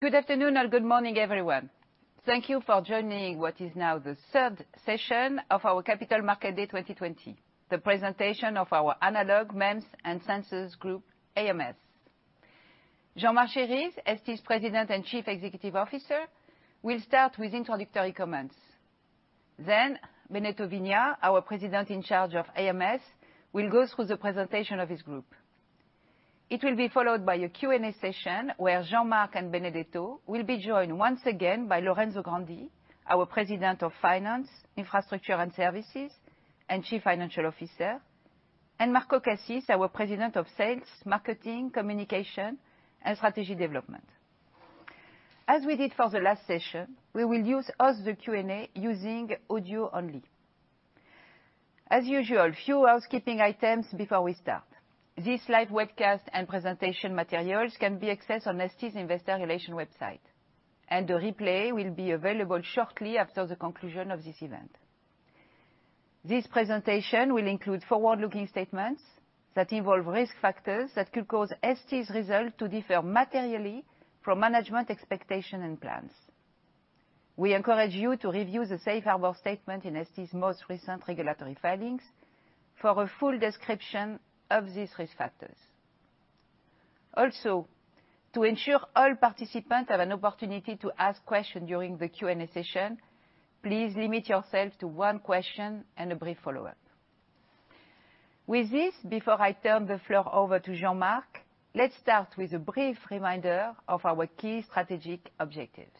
Good afternoon or good morning, everyone. Thank you for joining what is now the third session of our Capital Market Day 2020, the presentation of our Analog, MEMS and Sensors Group, AMS. Jean-Marc Chéry, ST's President and Chief Executive Officer, will start with introductory comments. Benedetto Vigna, our President in charge of AMS, will go through the presentation of his group. It will be followed by a Q&A session where Jean-Marc and Benedetto will be joined once again by Lorenzo Grandi, our President of Finance, Infrastructure, and Services, and Chief Financial Officer, and Marco Cassis, our President of Sales, Marketing, Communication, and Strategy Development. As we did for the last session, we will use all the Q&A using audio only. As usual, a few housekeeping items before we start. This live webcast and presentation materials can be accessed on ST's investor relation website, and the replay will be available shortly after the conclusion of this event. This presentation will include forward-looking statements that involve risk factors that could cause ST's results to differ materially from management expectation and plans. We encourage you to review the safe harbor statement in ST's most recent regulatory filings for a full description of these risk factors. Also, to ensure all participants have an opportunity to ask questions during the Q&A session, please limit yourself to one question and a brief follow-up. With this, before I turn the floor over to Jean-Marc, let's start with a brief reminder of our key strategic objectives.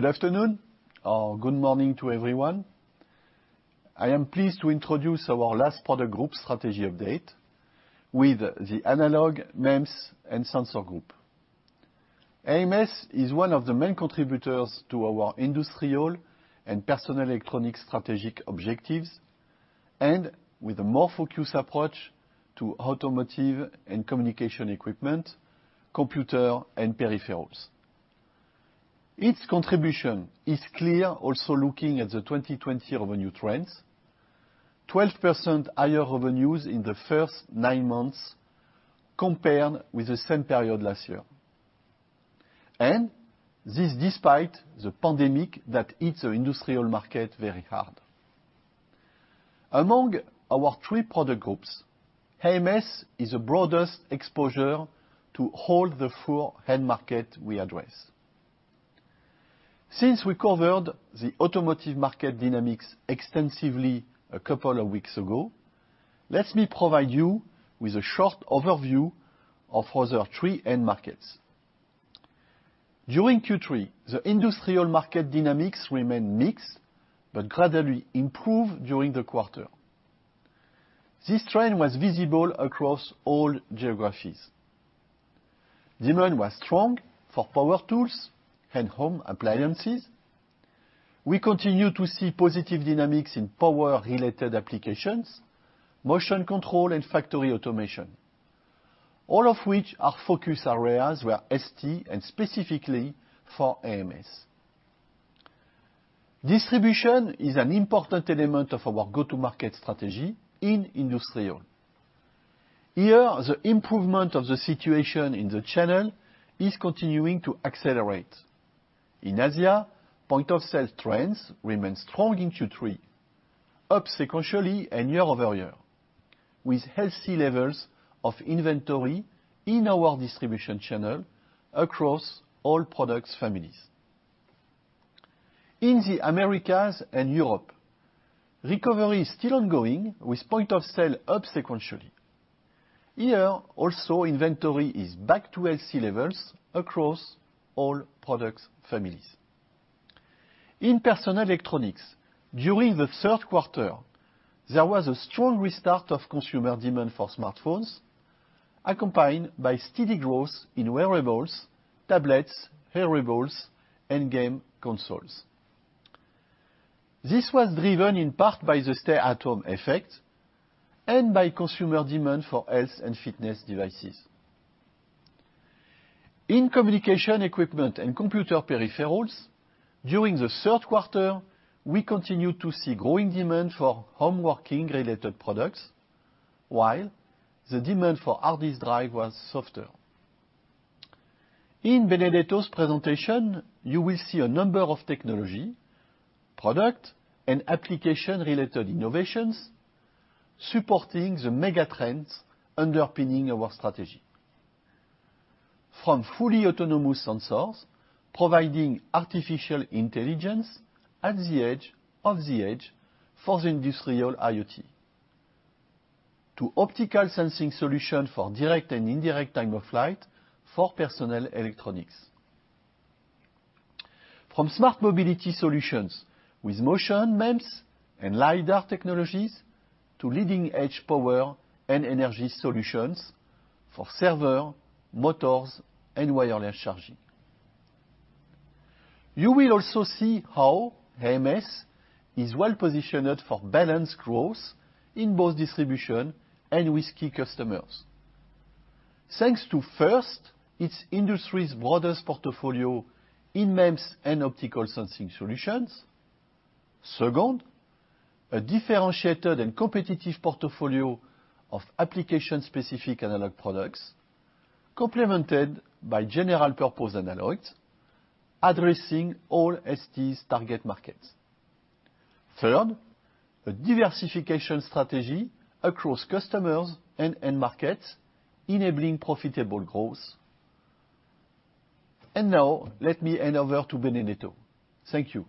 Good afternoon or good morning to everyone. I am pleased to introduce our last product group strategy update with the Analog, MEMS, and Sensors Group. AMS is one of the main contributors to our industrial and personal electronic strategic objectives, and with a more focused approach to automotive and communication equipment, computer and peripherals. Its contribution is clear also looking at the 2020 revenue trends, 12% higher revenues in the first nine months compared with the same period last year. This despite the pandemic that hit the industrial market very hard. Among our three product groups, AMS is the broadest exposure to all the four end markets we address. Since we covered the automotive market dynamics extensively a couple of weeks ago, let me provide you with a short overview of the other three end markets. During Q3, the industrial market dynamics remained mixed but gradually improved during the quarter. This trend was visible across all geographies. Demand was strong for power tools and home appliances. We continue to see positive dynamics in power-related applications, motion control, and factory automation, all of which are focus areas for ST and specifically for AMS. Distribution is an important element of our go-to-market strategy in industrial. Here, the improvement of the situation in the channel is continuing to accelerate. In Asia, point-of-sale trends remained strong in Q3, up sequentially and year-over-year, with healthy levels of inventory in our distribution channel across all product families. In the Americas and Europe, recovery is still ongoing, with point of sale up sequentially. Here also, inventory is back to healthy levels across all product families. In personal electronics, during the third quarter, there was a strong restart of consumer demand for smartphones, accompanied by steady growth in wearables, tablets, hearables, and game consoles. This was driven in part by the stay-at-home effect and by consumer demand for health and fitness devices. In communication equipment and computer peripherals, during the third quarter, we continued to see growing demand for home working-related products, while the demand for hard disk drive was softer. In Benedetto's presentation, you will see a number of technology, product, and application-related innovations supporting the mega trends underpinning our strategy. From fully autonomous sensors providing artificial intelligence at the edge, of the edge for the industrial IoT, to optical sensing solution for direct and indirect time of flight for personal electronics. From smart mobility solutions with motion, MEMS, and LiDAR technologies to leading-edge power and energy solutions for server, motors, and wireless charging. You will also see how AMS is well-positioned for balanced growth in both distribution and with key customers. Thanks to first, its industry's broadest portfolio in MEMS and optical sensing solutions. Second, a differentiated and competitive portfolio of application-specific analog products complemented by general-purpose analog, addressing all ST's target markets. Third, a diversification strategy across customers and end markets enabling profitable growth. Now let me hand over to Benedetto. Thank you.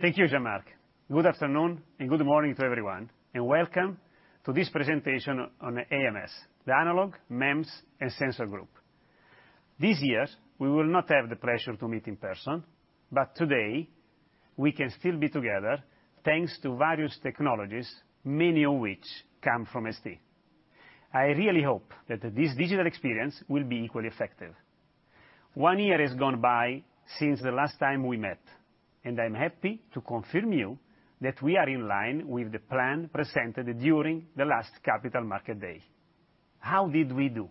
Thank you, Jean-Marc. Good afternoon and good morning to everyone, and welcome to this presentation on the AMS, the Analog, MEMS and Sensors Group. This year, we will not have the pleasure to meet in person, but today, we can still be together thanks to various technologies, many of which come from ST. I really hope that this digital experience will be equally effective. One year has gone by since the last time we met, and I'm happy to confirm to you that we are in line with the plan presented during the last Capital Market Day. How did we do?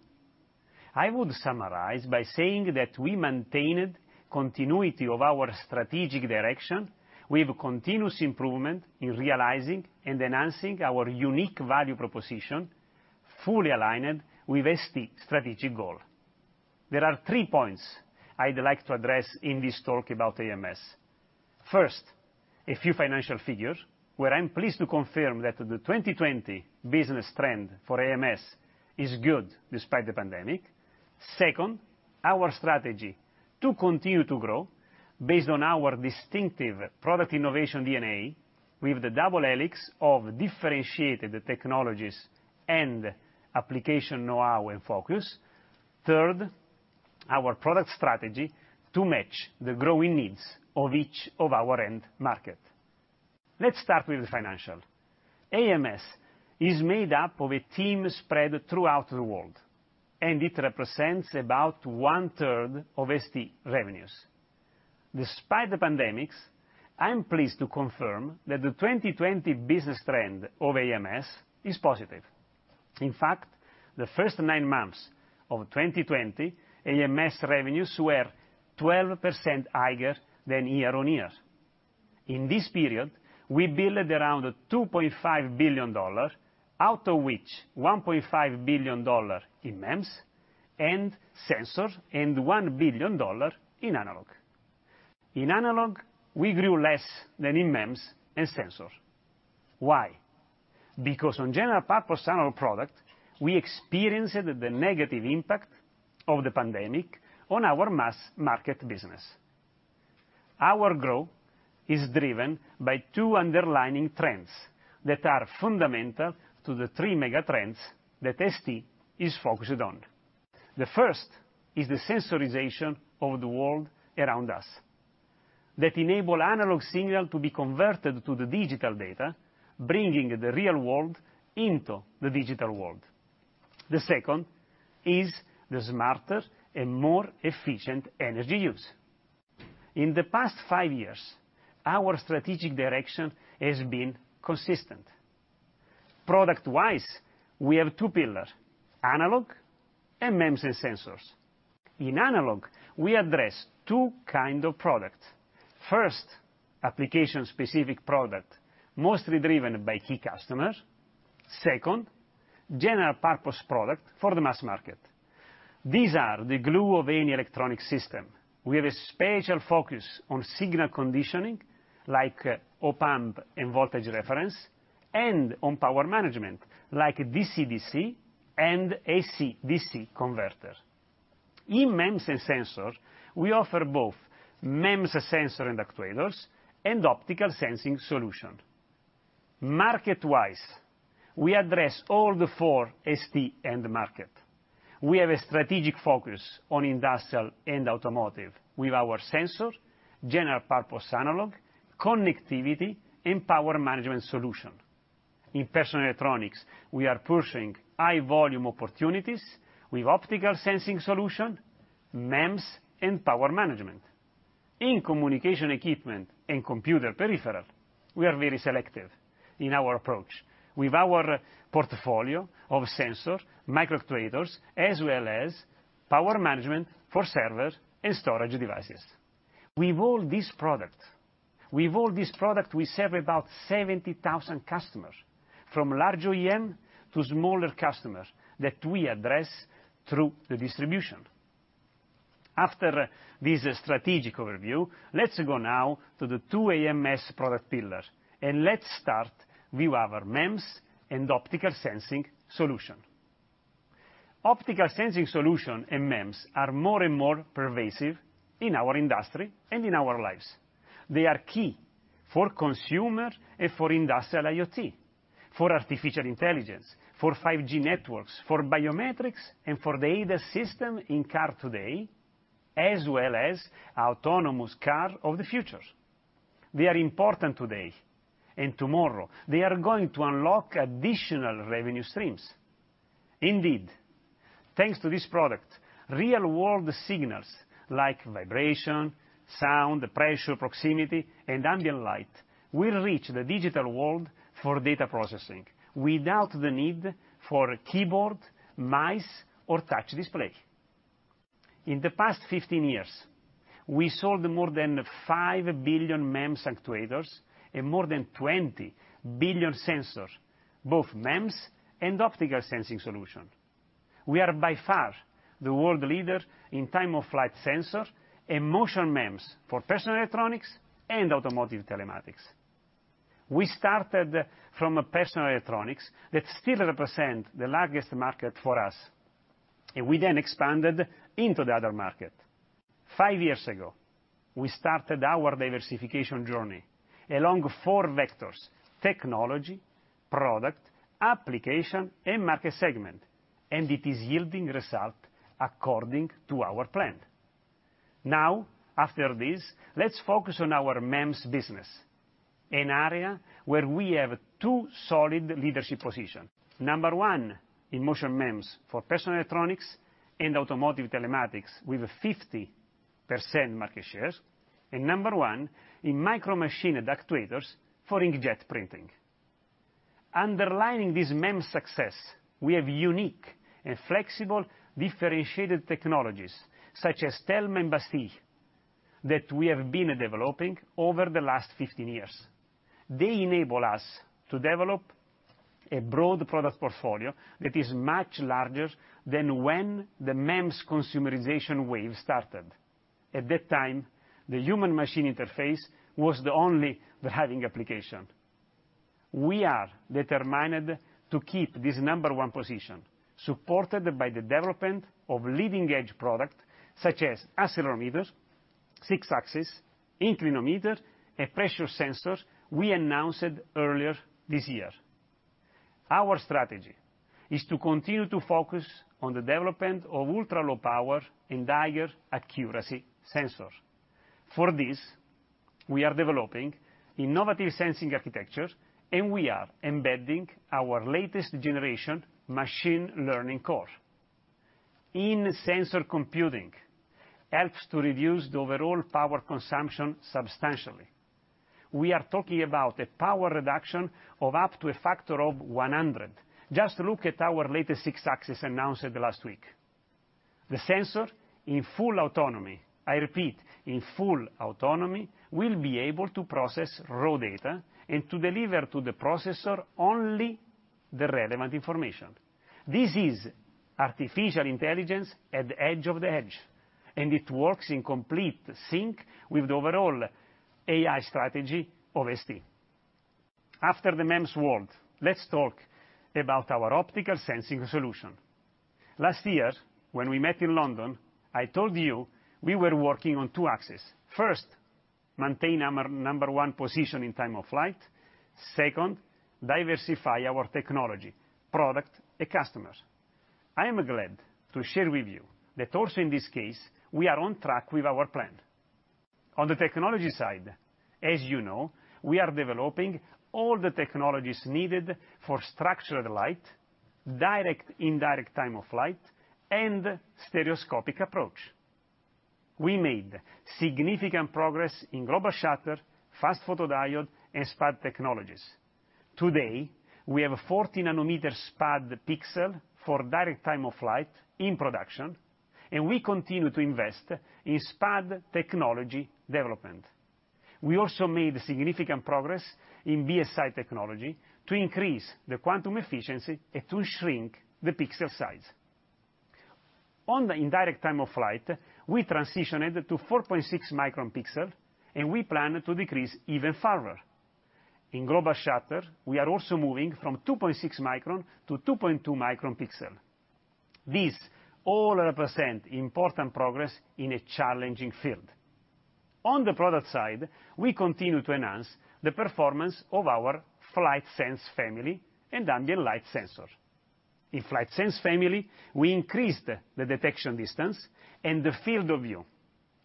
I would summarize by saying that we maintained continuity of our strategic direction with continuous improvement in realizing and enhancing our unique value proposition, fully aligned with ST's strategic goal. There are three points I'd like to address in this talk about AMS. First, a few financial figures where I'm pleased to confirm that the 2020 business trend for AMS is good despite the pandemic. Second, our strategy to continue to grow based on our distinctive product innovation DNA with the double helix of differentiated technologies and application know-how and focus. Third, our product strategy to match the growing needs of each of our end markets. Let's start with the financial. AMS is made up of a team spread throughout the world, and it represents about one-third of ST revenues. Despite the pandemic, I'm pleased to confirm that the 2020 business trend of AMS is positive. In fact, the first nine months of 2020, AMS revenues were 12% higher than year-over-year. In this period, we billed around $2.5 billion, out of which $1.5 billion in MEMS and sensors and $1 billion in analog. In analog, we grew less than in MEMS & sensors. Why? On general-purpose analog product, we experienced the negative impact of the pandemic on our mass market business. Our growth is driven by two underlying trends that are fundamental to the three mega trends that ST is focused on. The first is the sensorization of the world around us that enable analog signal to be converted to the digital data, bringing the real world into the digital world. The second is the smarter and more efficient energy use. In the past five years, our strategic direction has been consistent. Product-wise, we have two pillars, analog and MEMS & sensors. In analog, we address two kind of products. First, application-specific product, mostly driven by key customers. Second, general-purpose product for the mass market. These are the glue of any electronic system. We have a special focus on signal conditioning, like op-amp and voltage reference, and on power management, like DC-DC and AC-DC converter. In MEMS & Sensors, we offer both MEMS sensor and actuators and optical sensing solution. Market-wise, we address all the four ST end market. We have a strategic focus on industrial and automotive with our sensor, general purpose analog, connectivity, and power management solution. In personal electronics, we are pushing high volume opportunities with optical sensing solution, MEMS, and power management. In communication equipment and computer peripheral, we are very selective in our approach with our portfolio of sensor microactuators, as well as power management for servers and storage devices. With all these product, we serve about 70,000 customers, from large OEM to smaller customers that we address through the distribution. After this strategic overview, let's go now to the two AMS product pillars, and let's start with our MEMS and optical sensing solution. Optical sensing solution and MEMS are more and more pervasive in our industry and in our lives. They are key for consumer and for industrial IoT, for artificial intelligence, for 5G networks, for biometrics, and for the ADAS system in car today, as well as autonomous car of the future. They are important today, and tomorrow, they are going to unlock additional revenue streams. Indeed, thanks to this product, real-world signals like vibration, sound, pressure, proximity, and ambient light will reach the digital world for data processing without the need for a keyboard, mice, or touch display. In the past 15 years, we sold more than 5 billion MEMS actuators and more than 20 billion sensors, both MEMS and optical sensing solution. We are by far the world leader in time-of-flight sensor and motion MEMS for personal electronics and automotive telematics. We started from personal electronics that still represent the largest market for us, and we then expanded into the other market. Five years ago, we started our diversification journey along four vectors, technology, product, application, and market segment, and it is yielding result according to our plan. Now, after this let's focus on our MEMS business, an area where we have two solid leadership position. Number one in motion MEMS for personal electronics and automotive telematics with 50% market share, and number one in micromachined actuators for inkjet printing. Underlining this MEMS success, we have unique and flexible differentiated technologies such as ThELMA that we have been developing over the last 15 years. They enable us to develop a broad product portfolio that is much larger than when the MEMS consumerization wave started. At that time, the human-machine interface was the only driving application. We are determined to keep this number one position supported by the development of leading-edge product such as accelerometers, six-axis, inclinometer, and pressure sensors we announced earlier this year. Our strategy is to continue to focus on the development of ultra-low power and higher accuracy sensors. For this, we are developing innovative sensing architectures, and we are embedding our latest generation machine learning core. In-sensor computing helps to reduce the overall power consumption substantially. We are talking about a power reduction of up to a factor of 100. Just look at our latest six-axis announced last week. The sensor in full autonomy, I repeat, in full autonomy, will be able to process raw data and to deliver to the processor only the relevant information. This is artificial intelligence at the edge of the edge. It works in complete sync with the overall AI strategy of ST. After the MEMS world, let's talk about our optical sensing solution. Last year when we met in London, I told you we were working on two axes. First, maintain our number one position in time-of-flight. Second, diversify our technology, product, and customers. I am glad to share with you that also in this case, we are on track with our plan. On the technology side, as you know, we are developing all the technologies needed for structured light, direct/indirect time of flight, and stereoscopic approach. We made significant progress in global shutter, fast photodiode, and SPAD technologies. Today, we have a 40 nanometer SPAD pixel for direct time of flight in production, and we continue to invest in SPAD technology development. We also made significant progress in BSI technology to increase the quantum efficiency and to shrink the pixel size. On the indirect time of flight, we transitioned to 4.6 micron pixel, and we plan to decrease even further. In global shutter, we are also moving from 2.6 micron to 2.2 micron pixel. These all represent important progress in a challenging field. On the product side, we continue to enhance the performance of our FlightSense family and ambient light sensors. In FlightSense family, we increased the detection distance, and the field of view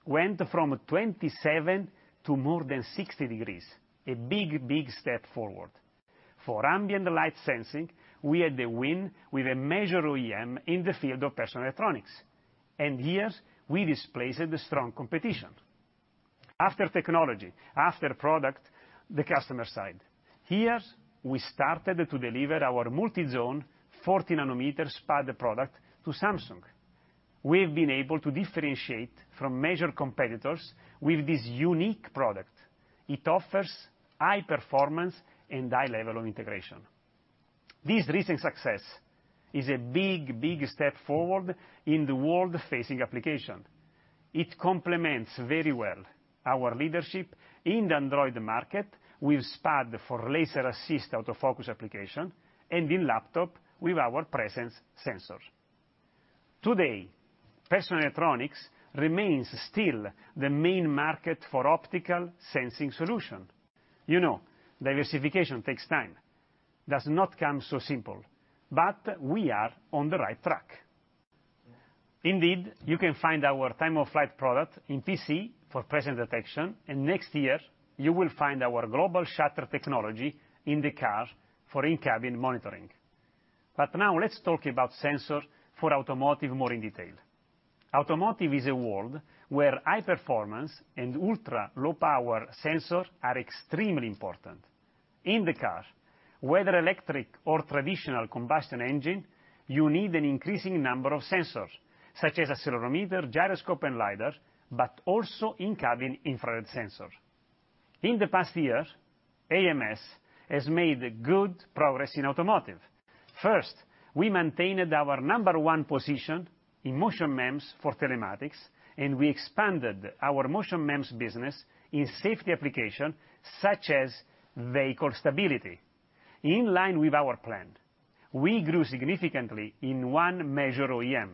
went from 27 to more than 60 degrees. A big, big step forward. For ambient light sensing, we had a win with a major OEM in the field of personal electronics. Here, we displaced strong competition. After technology, after product, the customer side. Here, we started to deliver our multi-zone 40 nanometers SPAD product to Samsung. We've been able to differentiate from major competitors with this unique product. It offers high performance and high level of integration. This recent success is a big step forward in the world-facing application. It complements very well our leadership in the Android market with SPAD for laser-assist autofocus application, and in laptop with our presence sensors. Today, personal electronics remains still the main market for optical sensing solution. Diversification takes time, does not come so simple, but we are on the right track. Indeed, you can find our time-of-flight product in PC for presence detection, and next year, you will find our global shutter technology in the car for in-cabin monitoring. Now let's talk about sensors for automotive more in detail. Automotive is a world where high-performance and ultra-low-power sensors are extremely important. In the car, whether electric or traditional combustion engine, you need an increasing number of sensors, such as accelerometer, gyroscope, and LiDAR, but also in-cabin infrared sensors. In the past years, AMS has made good progress in automotive. First, we maintained our number one position in motion MEMS for telematics, and we expanded our motion MEMS business in safety application, such as vehicle stability. In line with our plan, we grew significantly in one major OEM.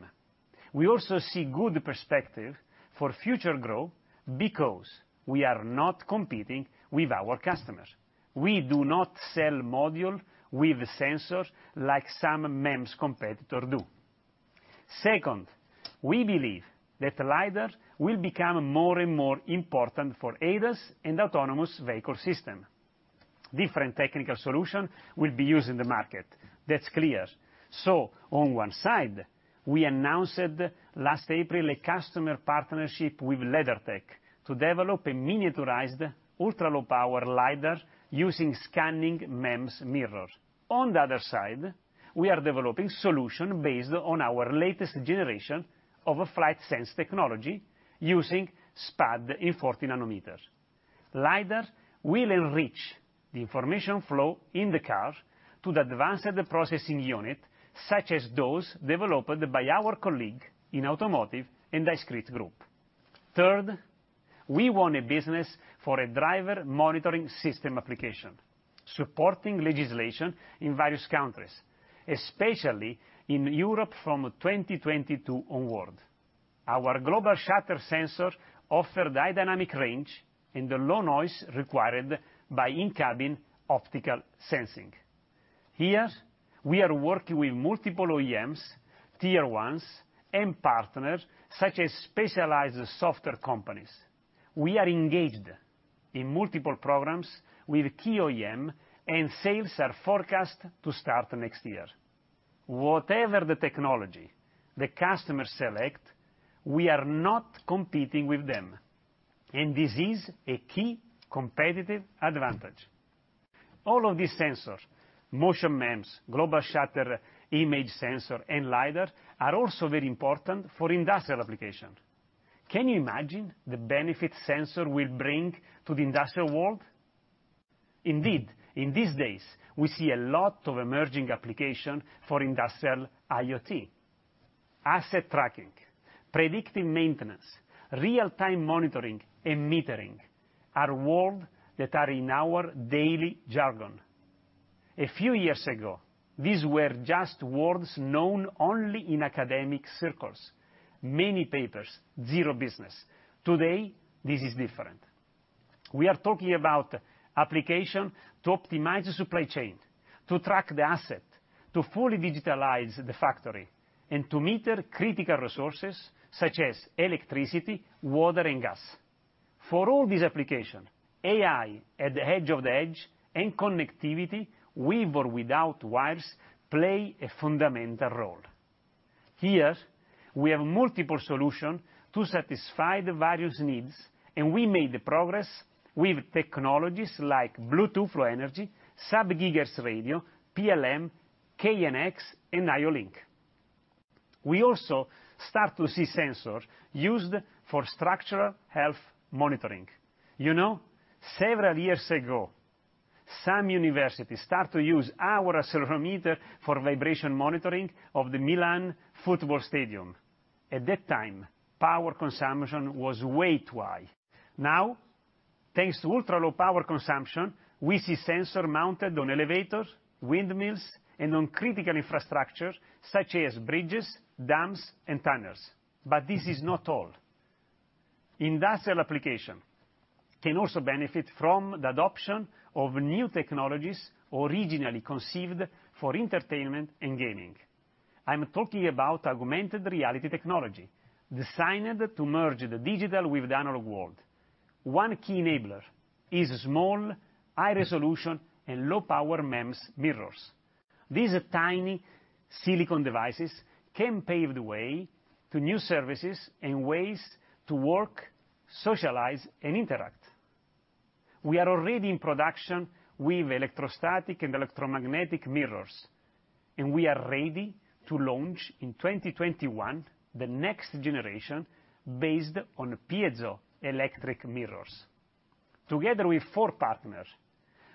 We also see good perspective for future growth because we are not competing with our customers. We do not sell module with sensors like some MEMS competitors do. Second, we believe that LiDAR will become more and more important for ADAS and autonomous vehicle system. Different technical solution will be used in the market. That's clear, so on one side, we announced last April a customer partnership with LeddarTech to develop a miniaturized, ultra-low-power LiDAR using scanning MEMS mirror. On the other side, we are developing solution based on our latest generation of FlightSense technology using SPAD in 40 nanometers. LiDAR will enrich the information flow in the car to the advanced processing unit, such as those developed by our colleague in Automotive and Discrete Group. Third, we won a business for a driver monitoring system application, supporting legislation in various countries, especially in Europe from 2022 onward. Our global shutter sensor offer high dynamic range and the low noise required by in-cabin optical sensing. Here, we are working with multiple OEMs, tier 1s, and partners, such as specialized software companies. We are engaged in multiple programs with key OEM, and sales are forecast to start next year. Whatever the technology the customer select, we are not competing with them, and this is a key competitive advantage. All of these sensors, motion MEMS, global shutter, image sensor, and LiDAR, are also very important for industrial application. Can you imagine the benefit sensors will bring to the industrial world? Indeed, in these days, we see a lot of emerging application for industrial IoT. Asset tracking, predictive maintenance, real-time monitoring, and metering are words that are in our daily jargon. A few years ago, these were just words known only in academic circles. Many papers, zero business. Today, this is different. We are talking about application to optimize the supply chain, to track the asset, to fully digitalize the factory, and to meter critical resources, such as electricity, water, and gas. For all these application, AI at the edge of the edge and connectivity, with or without wires, play a fundamental role. Here, we have multiple solution to satisfy the various needs, and we made progress with technologies like Bluetooth Low Energy, sub-gigahertz radio, PLC, KNX, and IO-Link. We also start to see sensors used for structural health monitoring. Several years ago, some universities start to use our accelerometer for vibration monitoring of the Milan football stadium. At that time, power consumption was way too high. Now, thanks to ultra-low power consumption, we see sensor mounted on elevators, windmills, and on critical infrastructure such as bridges, dams, and tunnels. This is not all. Industrial application can also benefit from the adoption of new technologies originally conceived for entertainment and gaming. I'm talking about augmented reality technology, designed to merge the digital with the analog world. One key enabler is small, high-resolution, and low-power MEMS mirrors. These tiny silicon devices can pave the way to new services and ways to work, socialize, and interact. We are already in production with electrostatic and electromagnetic mirrors, and we are ready to launch in 2021 the next generation based on piezoelectric mirrors. Together with four partners,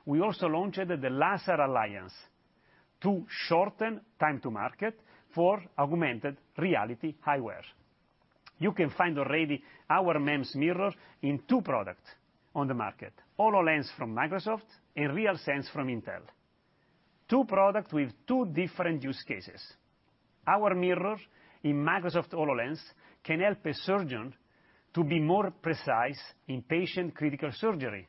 we also launched the LaSAR Alliance to shorten time to market for augmented reality eyewear. You can find already our MEMS mirror in two product on the market, HoloLens from Microsoft and RealSense from Intel. Two product with two different use cases. Our mirror in Microsoft HoloLens can help a surgeon to be more precise in patient critical surgery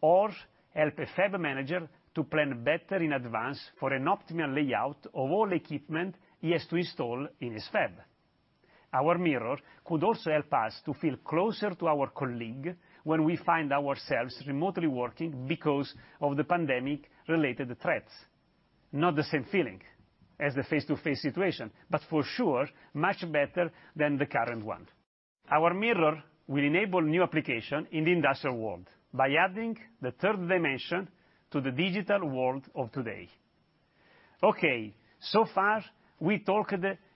or help a fab manager to plan better in advance for an optimal layout of all equipment he has to install in his fab. Our mirror could also help us to feel closer to our colleague when we find ourselves remotely working because of the pandemic-related threats. Not the same feeling as the face-to-face situation, for sure, much better than the current one. Our mirror will enable new application in the industrial world by adding the third dimension to the digital world of today. Okay, so far we talked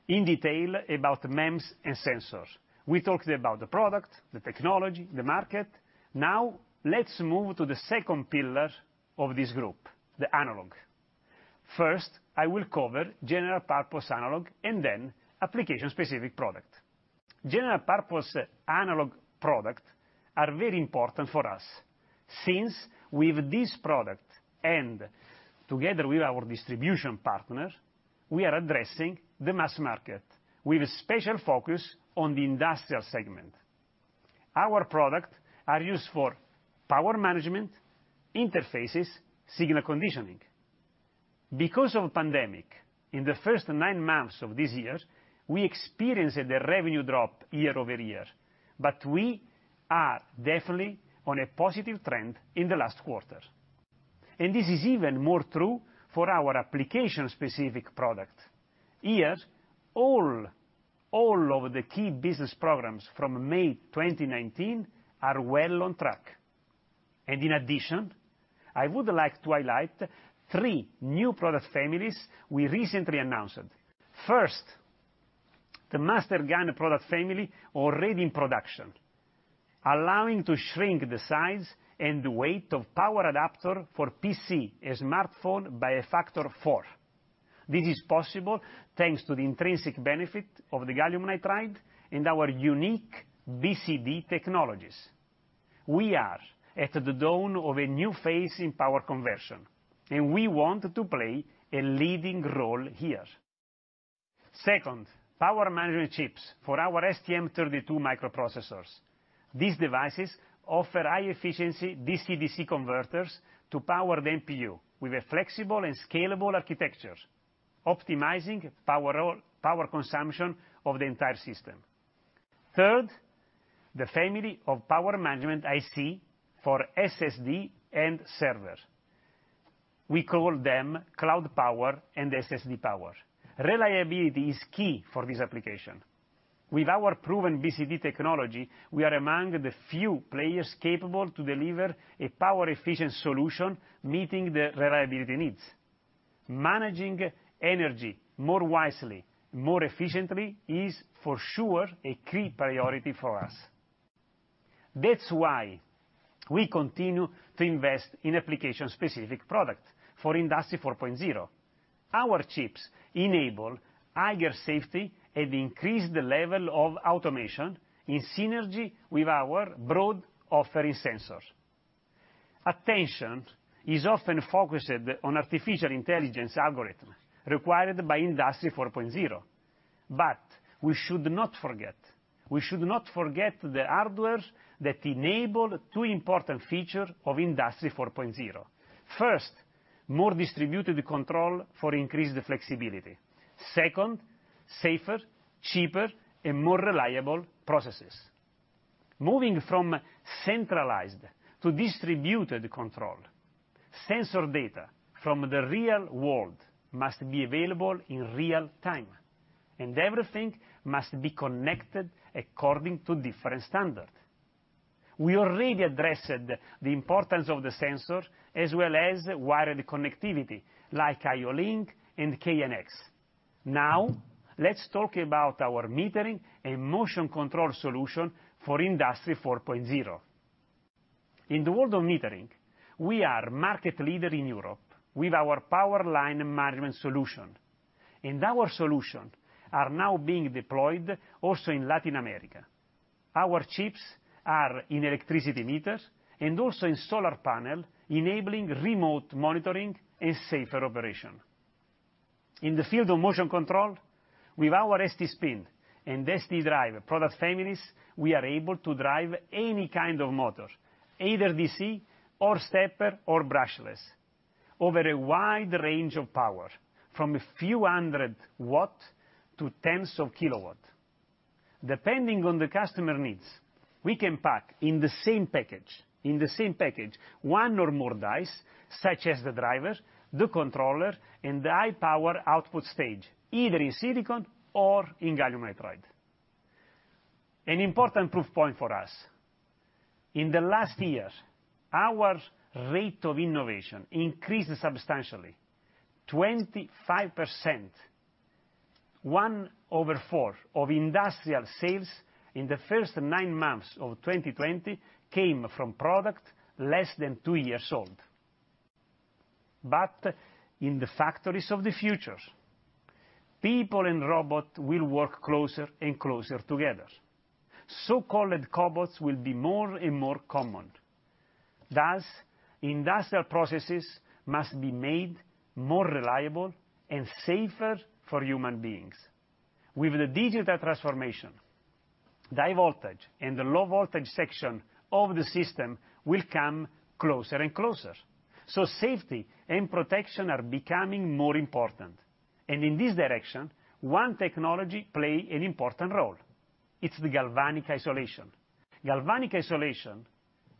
in detail about MEMS and sensors. We talked about the product, the technology, the market. Now, let's move to the second pillar of this group, the analog. I will cover general-purpose analog, and then application-specific product. General-purpose analog product are very important for us since with this product, and together with our distribution partner, we are addressing the mass market with a special focus on the industrial segment. Our product are used for power management, interfaces, signal conditioning. Because of pandemic, in the first nine months of this year, we experienced the revenue drop year-over-year. We are definitely on a positive trend in the last quarter. This is even more true for our application-specific product. Here, all of the key business programs from May 2019 are well on track. In addition, I would like to highlight three new product families we recently announced. First, the MasterGaN product family already in production, allowing to shrink the size and weight of power adapter for PC and smartphone by a factor of four. This is possible thanks to the intrinsic benefit of the gallium nitride and our unique BCD technologies. We are at the dawn of a new phase in power conversion, and we want to play a leading role here. Second, power management chips for our STM32 microprocessors. These devices offer high-efficiency DC-DC converters to power the MPU with a flexible and scalable architecture, optimizing power consumption of the entire system. Third, the family of power management IC for SSD and server. We call them Cloud Power and SSD Power. Reliability is key for this application. With our proven BCD technology, we are among the few players capable to deliver a power-efficient solution meeting the reliability needs. Managing energy more wisely, more efficiently, is for sure a key priority for us. That's why we continue to invest in application-specific product for Industry 4.0. Our chips enable higher safety and increase the level of automation in synergy with our broad offering sensors. Attention is often focused on artificial intelligence algorithm required by Industry 4.0, but we should not forget the hardware that enable two important feature of Industry 4.0. First, more distributed control for increased flexibility. Second, safer, cheaper, and more reliable processes. Moving from centralized to distributed control, sensor data from the real world must be available in real-time, and everything must be connected according to different standard. We already addressed the importance of the sensor as well as wired connectivity like IO-Link and KNX. Now, let's talk about our metering and motion control solution for Industry 4.0. In the world of metering, we are market leader in Europe with our power line management solution, and our solution are now being deployed also in Latin America. Our chips are in electricity meters and also in solar panel, enabling remote monitoring and safer operation. In the field of motion control, with our STSPIN and STDRIVE product families, we are able to drive any kind of motor, either DC or stepper or brushless, over a wide range of power, from a few hundred watt to tens of kilowatt. Depending on the customer needs, we can pack in the same package, one or more dice, such as the drivers, the controller, and the high-power output stage, either in silicon or in gallium nitride. An important proof point for us. In the last year, our rate of innovation increased substantially, 25%. 1/4 of industrial sales in the first nine months of 2020 came from product less than two years old. In the factories of the future, people and robot will work closer and closer together. So-called cobots will be more and more common. Thus, industrial processes must be made more reliable and safer for human beings. With the digital transformation, the high voltage and the low voltage section of the system will come closer and closer. Safety and protection are becoming more important. In this direction, one technology play an important role. It's the galvanic isolation. Galvanic isolation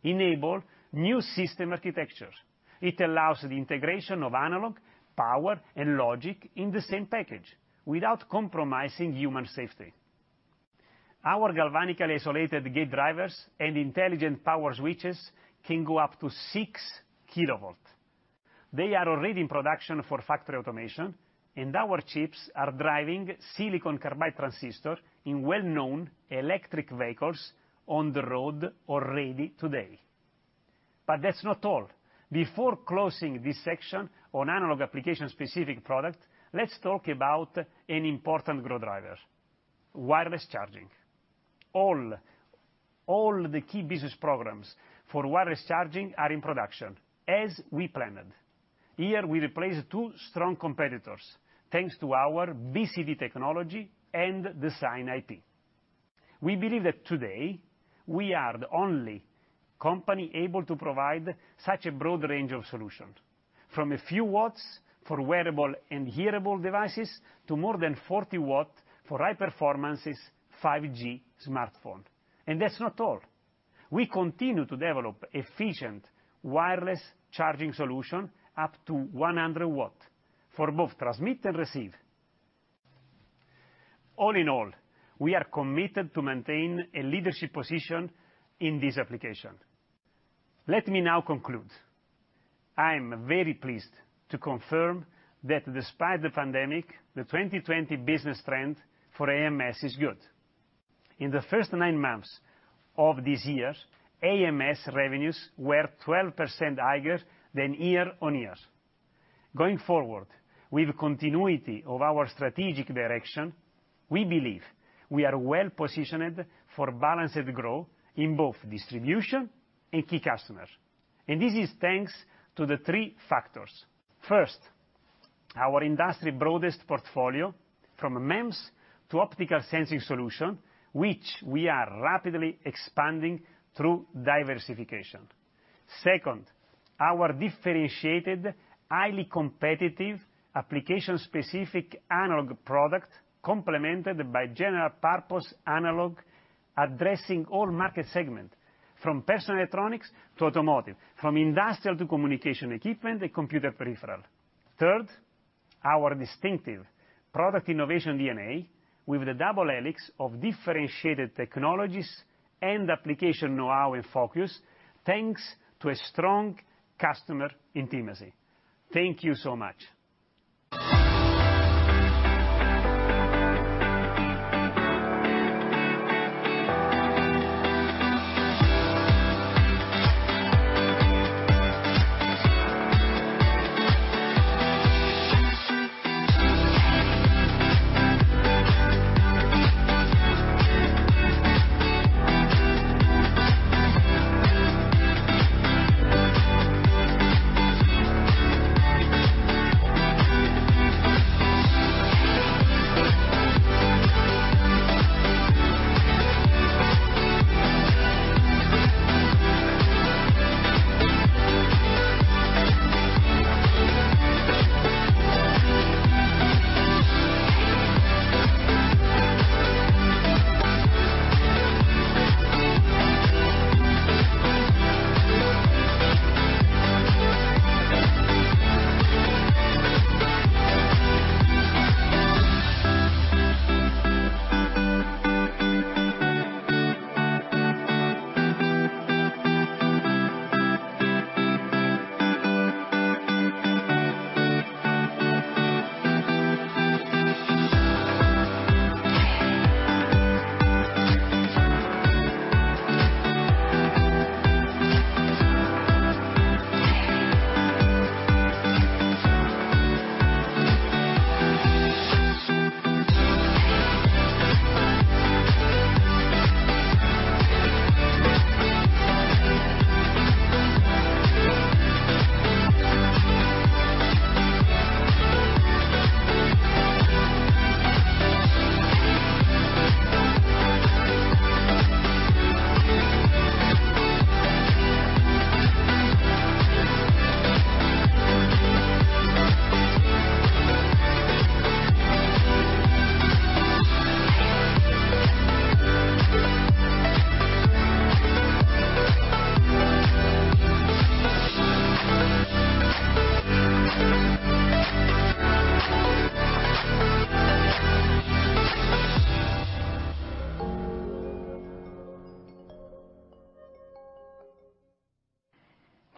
enable new system architectures. It allows the integration of analog, power, and logic in the same package without compromising human safety. Our galvanically isolated gate drivers and intelligent power switches can go up to six kilovolt. They are already in production for factory automation, and our chips are driving silicon carbide transistor in well-known electric vehicles on the road already today. That's not all. Before closing this section on analog application-specific product, let's talk about an important growth driver, wireless charging. All the key business programs for wireless charging are in production as we planned. Here we replace two strong competitors, thanks to our BCD technology and design IP. We believe that today we are the only company able to provide such a broad range of solutions, from a few watts for wearable and hearable devices, to more than 40 W for high performances 5G smartphone. That's not all. We continue to develop efficient wireless charging solution up to 100 W for both transmit and receive. All in all, we are committed to maintain a leadership position in this application. Let me now conclude. I'm very pleased to confirm that despite the pandemic, the 2020 business trend for AMS is good. In the first nine months of this year, AMS revenues were 12% higher than year-on-year. Going forward with continuity of our strategic direction, we believe we are well-positioned for balanced growth in both distribution and key customers. This is thanks to the three factors. First, our industry broadest portfolio, from MEMS to optical sensing solution, which we are rapidly expanding through diversification. Second, our differentiated, highly competitive, application-specific analog product, complemented by general purpose analog addressing all market segment from personal electronics to automotive, from industrial to communication equipment and computer peripheral. Third, our distinctive product innovation DNA with the double helix of differentiated technologies and application know-how and focus, thanks to a strong customer intimacy. Thank you so much.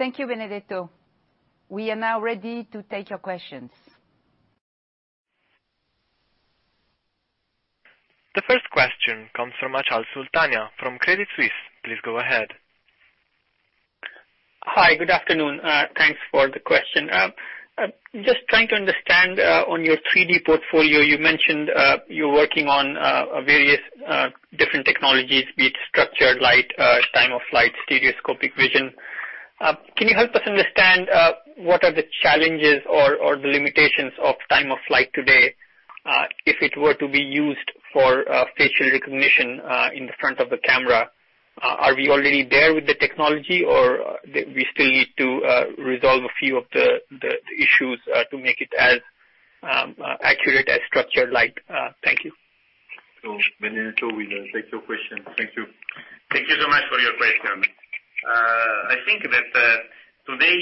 Thank you, Benedetto. We are now ready to take your questions. The first question comes from Achal Sultania from Credit Suisse. Please go ahead. Hi. Good afternoon. Thanks for the question. Just trying to understand, on your 3D portfolio, you mentioned you're working on various different technologies, be it structured light, time of flight, stereoscopic vision. Can you help us understand what are the challenges or the limitations of time of flight today, if it were to be used for facial recognition in the front of the camera? Are we already there with the technology, or we still need to resolve a few of the issues to make it as accurate as structured light? Thank you. Benedetto will take your question. Thank you. Thank you so much for your question. I think that today,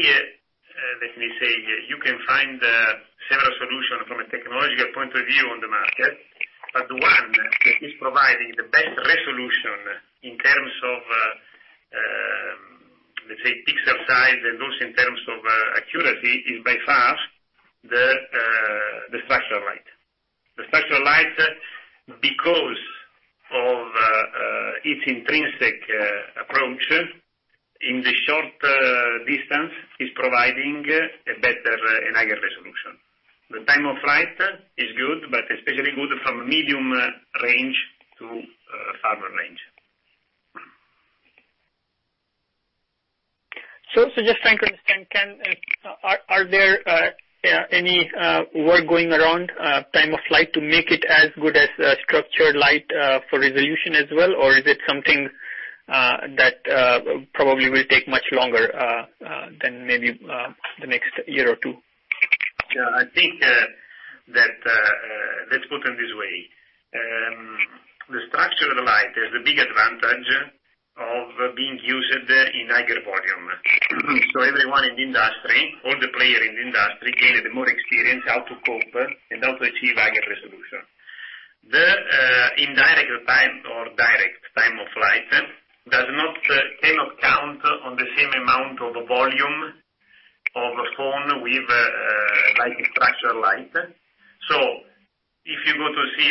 let me say, you can find several solutions from a technological point of view on the market, but the one that is providing the best resolution in terms of, let's say, pixel size and also in terms of accuracy, is by far the structured light. The structured light, because of its intrinsic approach, in the short distance, is providing a better and higher resolution. The time-of-flight is good, but especially good from medium range to farther range. Just trying to understand, are there any work going around time-of-flight to make it as good as structured light for resolution as well? Or is it something that probably will take much longer than maybe the next year or two? I think that, let's put in this way. The structured light has the big advantage of being used in higher volume. Everyone in the industry, all the players in the industry, gained more experience how to cope and how to achieve higher resolution. The indirect time or direct time-of-flight cannot count on the same amount of volume of a phone with a structured light. If you go to see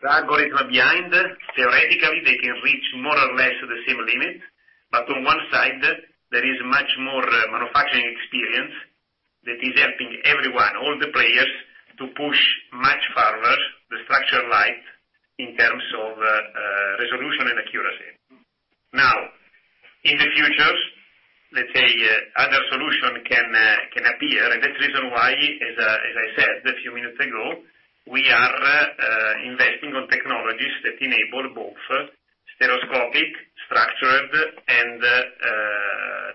the algorithm behind, theoretically, they can reach more or less the same limit. On one side, there is much more manufacturing experience that is helping everyone, all the players to push much farther the structured light in terms of resolution and accuracy. Now, in the future, let's say, other solution can appear, and that's the reason why, as I said a few minutes ago, we are investing on technologies that enable both stereoscopic, structured, and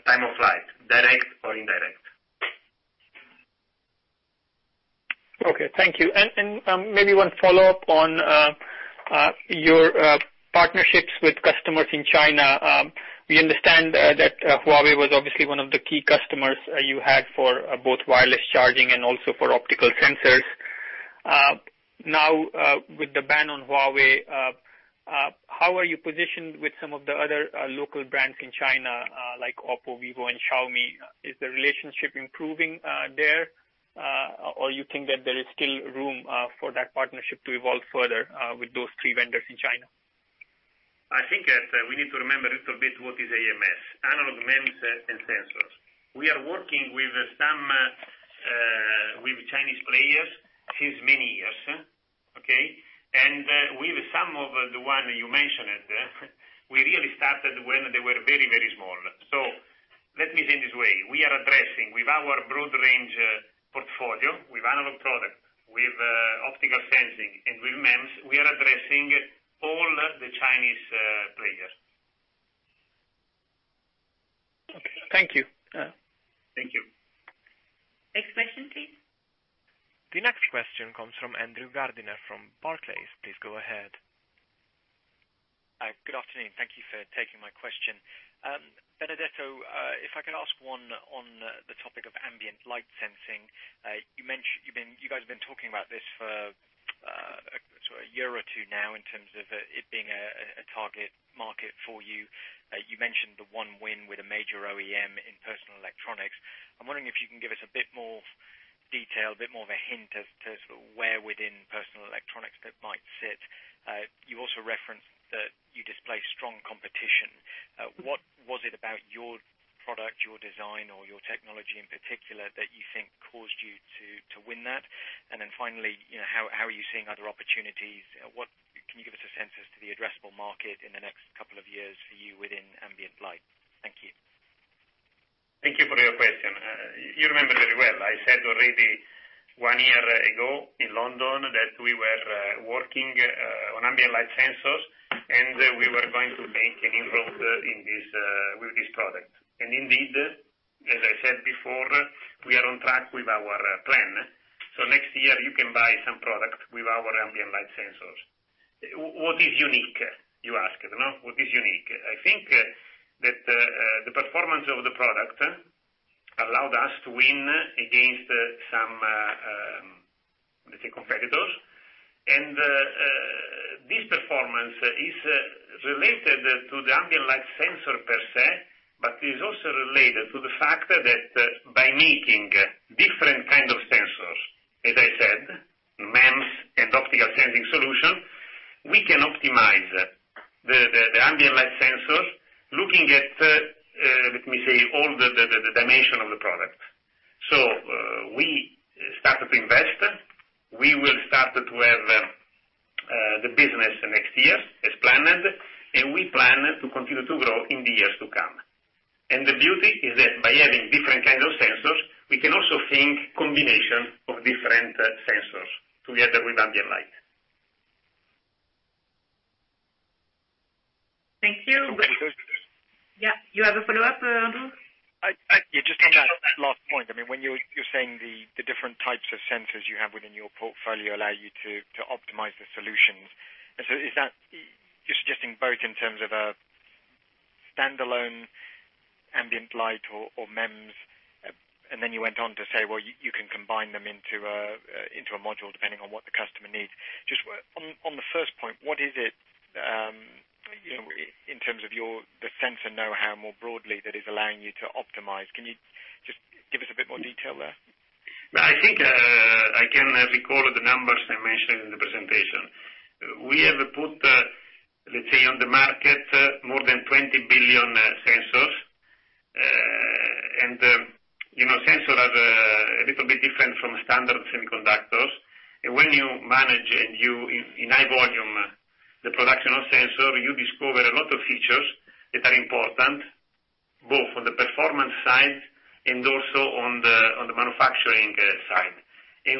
time-of-flight, direct or indirect. Okay, thank you. Maybe one follow-up on your partnerships with customers in China. We understand that Huawei was obviously one of the key customers you had for both wireless charging and also for optical sensors. Now, with the ban on Huawei, how are you positioned with some of the other local brands in China, like Oppo, Vivo, and Xiaomi? Is the relationship improving there? You think that there is still room for that partnership to evolve further with those three vendors in China? I think that we need to remember a little bit what is AMS, Analog, MEMS and Sensors. We are working with Chinese players since many years. Okay? With some of the one you mentioned, we really started when they were very, very small. Let me say in this way, we are addressing, with our broad range portfolio, with Analog product, with optical sensing, and with MEMS, we are addressing all the Chinese players. Okay, thank you. Thank you. Next question, please. The next question comes from Andrew Gardiner from Barclays. Please go ahead. Good afternoon. Thank you for taking my question. Benedetto, if I could ask one on the topic of ambient light sensing. You guys have been talking about this for a year or two now in terms of it being a target market for you. You mentioned the one win with a major OEM in personal electronics. I'm wondering if you can give us a bit more detail, a bit more of a hint as to where within personal electronics that might sit. You also referenced that you displaced strong competition. What was it about your product, your design, or your technology in particular that you think caused you to win that? Finally, how are you seeing other opportunities? Can you give us a sense as to the addressable market in the next couple of years for you within ambient light? Thank you. Thank you for your question. You remember very well, I said already one year ago in London that we were working on ambient light sensors, and we were going to make an inroad with this product. Indeed, as I said before, we are on track with our plan. Next year you can buy some product with our ambient light sensors. What is unique, you ask. What is unique? I think that the performance of the product allowed us to win against some, let's say, competitors. This performance is related to the ambient light sensor per se, but is also related to the fact that by making different kind of sensors, as I said, MEMS and optical sensing solution, we can optimize the ambient light sensors looking at, let me say, all the dimension of the product. We started to invest. We will start to have the business next year as planned, and we plan to continue to grow in the years to come. The beauty is that by having different kind of sensors, we can also think combination of different sensors together with ambient light. Thank you. Okay. Yeah, you have a follow-up, Andrew? Just on that last point, you're saying the different types of sensors you have within your portfolio allow you to optimize the solutions. Is that you're suggesting both in terms of a standalone ambient light or MEMS, and then you went on to say, "Well, you can combine them into a module depending on what the customer needs." Just on the first point, what is it, in terms of the sensor know-how more broadly that is allowing you to optimize? Can you just give us a bit more detail there? I think I can recall the numbers I mentioned in the presentation. We have put, let's say, on the market, more than 20 billion sensors. Sensors are a little bit different from standard semiconductors. When you manage in high volume the production of sensor, you discover a lot of features that are important, both on the performance side and also on the manufacturing side.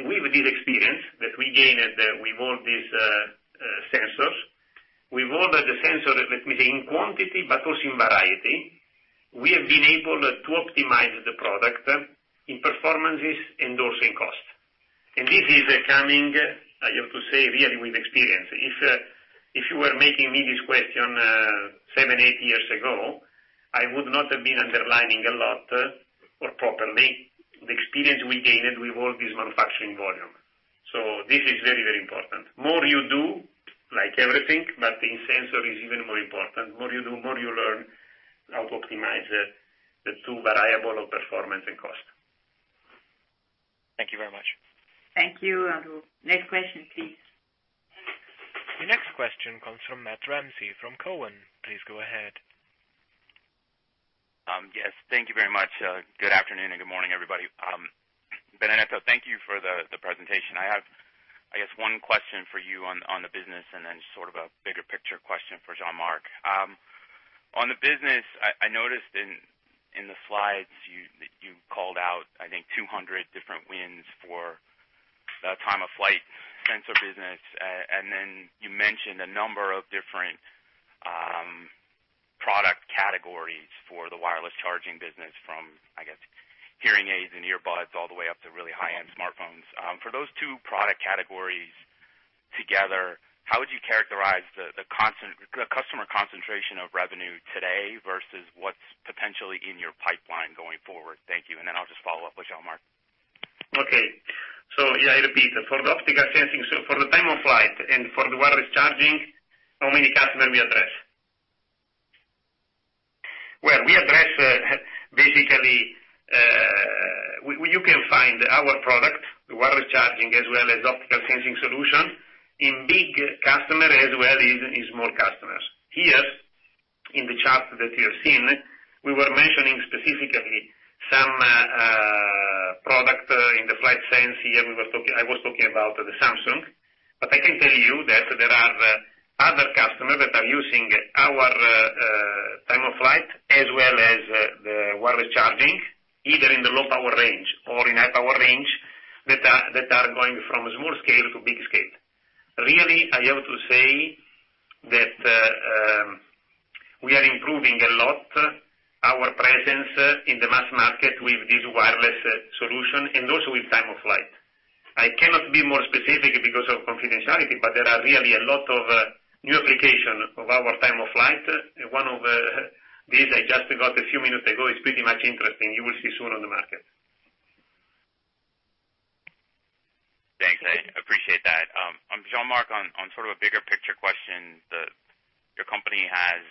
With this experience that we gained with all these sensors, with all the sensor, let me say, in quantity, but also in variety, we have been able to optimize the product in performances and also in cost. This is coming, I have to say, really with experience. If you were making me this question seven, eight years ago, I would not have been underlining a lot or properly the experience we gained with all this manufacturing volume. This is very, very important. More you do, like everything, but in sensor is even more important. More you do, more you learn how to optimize the two variables of performance and cost. Thank you very much. Thank you, Andrew. Next question, please. The next question comes from Matt Ramsay, from Cowen. Please go ahead. Yes, thank you very much. Good afternoon and good morning, everybody. Benedetto, thank you for the presentation. I have, I guess, one question for you on the business, and then sort of a bigger picture question for Jean-Marc. On the business, I noticed in the slides, you called out, I think, 200 different wins for the time-of-flight sensor business. Then you mentioned a number of different product categories for the wireless charging business from, I guess, hearing aids and earbuds all the way up to really high-end smartphones. For those two product categories together, how would you characterize the customer concentration of revenue today versus what's potentially in your pipeline going forward? Thank you. Then I'll just follow up with Jean-Marc. Okay. Yeah, I repeat. For the optical sensing solution, for the time of flight and for the wireless charging, how many customer we address? Well, we address basically, you can find our product, the wireless charging, as well as optical sensing solution, in big customer as well as in small customers. Here, in the chart that you have seen, we were mentioning specifically some product in the FlightSense. Here, I was talking about the Samsung. I can tell you that there are other customers that are using our time of flight, as well as the wireless charging, either in the low power range or in high power range, that are going from small scale to big scale. Really, I have to say that we are improving a lot our presence in the mass market with this wireless solution and also with time of flight. I cannot be more specific because of confidentiality, but there are rarely a lot of new application of our time of flight. One of these I just got a few minutes ago is pretty much interesting. You will see soon on the market. Thanks, I appreciate that. Jean-Marc, on sort of a bigger picture question, your company has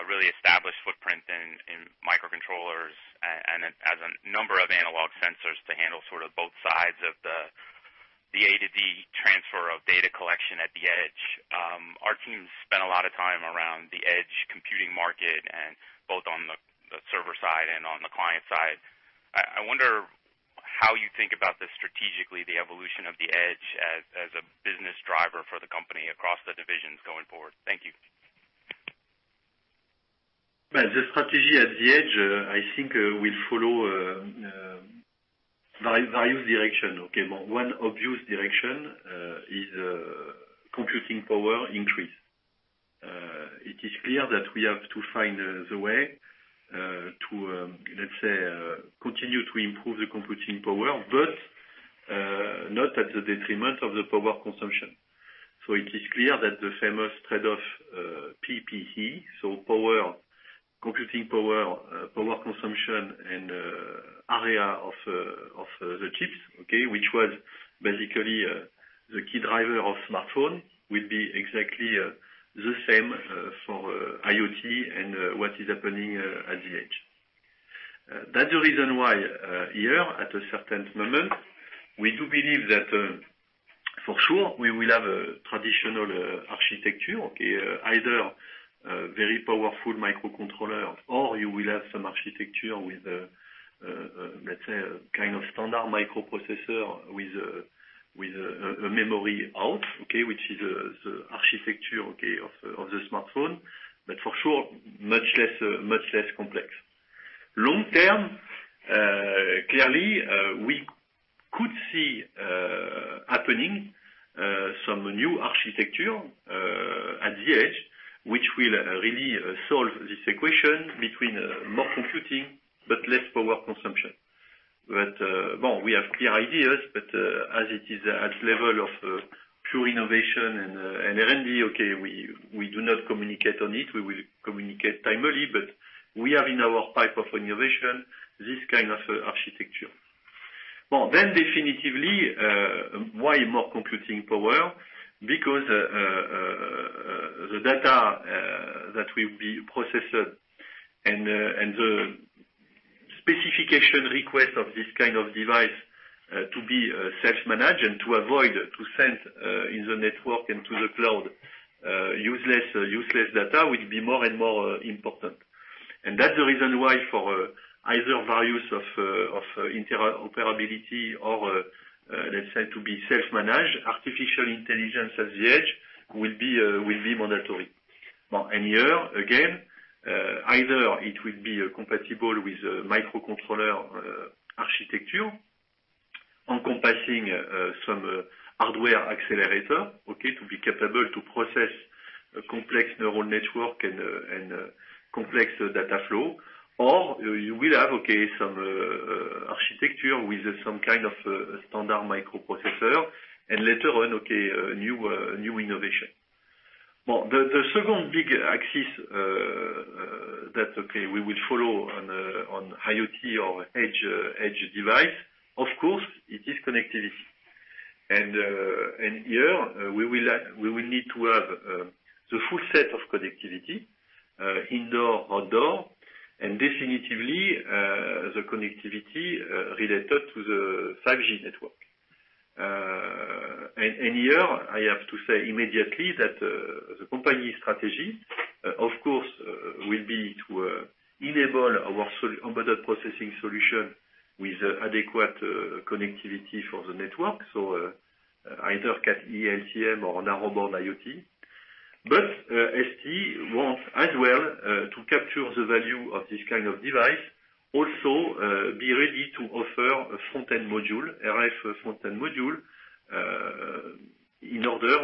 a really established footprint in microcontrollers and has a number of analog sensors to handle both sides of the A-to-D transfer of data collection at the edge. Our team's spent a lot of time around the edge computing market and both on the server side and on the client side. I wonder how you think about this strategically, the evolution of the edge as a business driver for the company across the divisions going forward. Thank you. The strategy at the edge, I think will follow various direction. One obvious direction is computing power increase. It is clear that we have to find the way to, let's say, continue to improve the computing power, but not at the detriment of the power consumption. It is clear that the famous trade-off, PPA, so power, computing power consumption, and area of the chips, okay, which was basically the key driver of smartphone, will be exactly the same for IoT and what is happening at the edge. That's the reason why, here, at a certain moment, we do believe that, for sure, we will have a traditional architecture, either a very powerful microcontroller, or you will have some architecture with, let's say, a kind of standard microprocessor with a memory out, okay, which is the architecture of the smartphone. For sure, much less complex. Long term, clearly we could see happening some new architecture at the edge, which will really solve this equation between more computing but less power consumption. Well, we have clear ideas, but as it is at level of pure innovation and R&D, okay, we do not communicate on it. We will communicate timely, we have in our pipe of innovation, this kind of architecture. Definitively, why more computing power? The data that will be processed and the specification request of this kind of device to be self-managed and to avoid to send in the network into the cloud, useless data will be more and more important. That's the reason why for either values of interoperability or, let's say, to be self-managed, artificial intelligence at the edge will be mandatory. Here, again, either it will be compatible with a microcontroller architecture encompassing some hardware accelerator, okay, to be capable to process a complex neural network and complex data flow. You will have, okay, some architecture with some kind of standard microprocessor and later on, okay, a new innovation. The second big axis that, okay, we will follow on IoT or edge device, of course, it is connectivity. Here, we will need to have the full set of connectivity, indoor, outdoor, and definitively, the connectivity related to the 5G network. Here, I have to say immediately that the company strategy, of course, will be to enable our embedded processing solution with adequate connectivity for the network, either CAT-M or Narrowband IoT. ST wants as well to capture the value of this kind of device, also be ready to offer a front-end module, RF front-end module, in order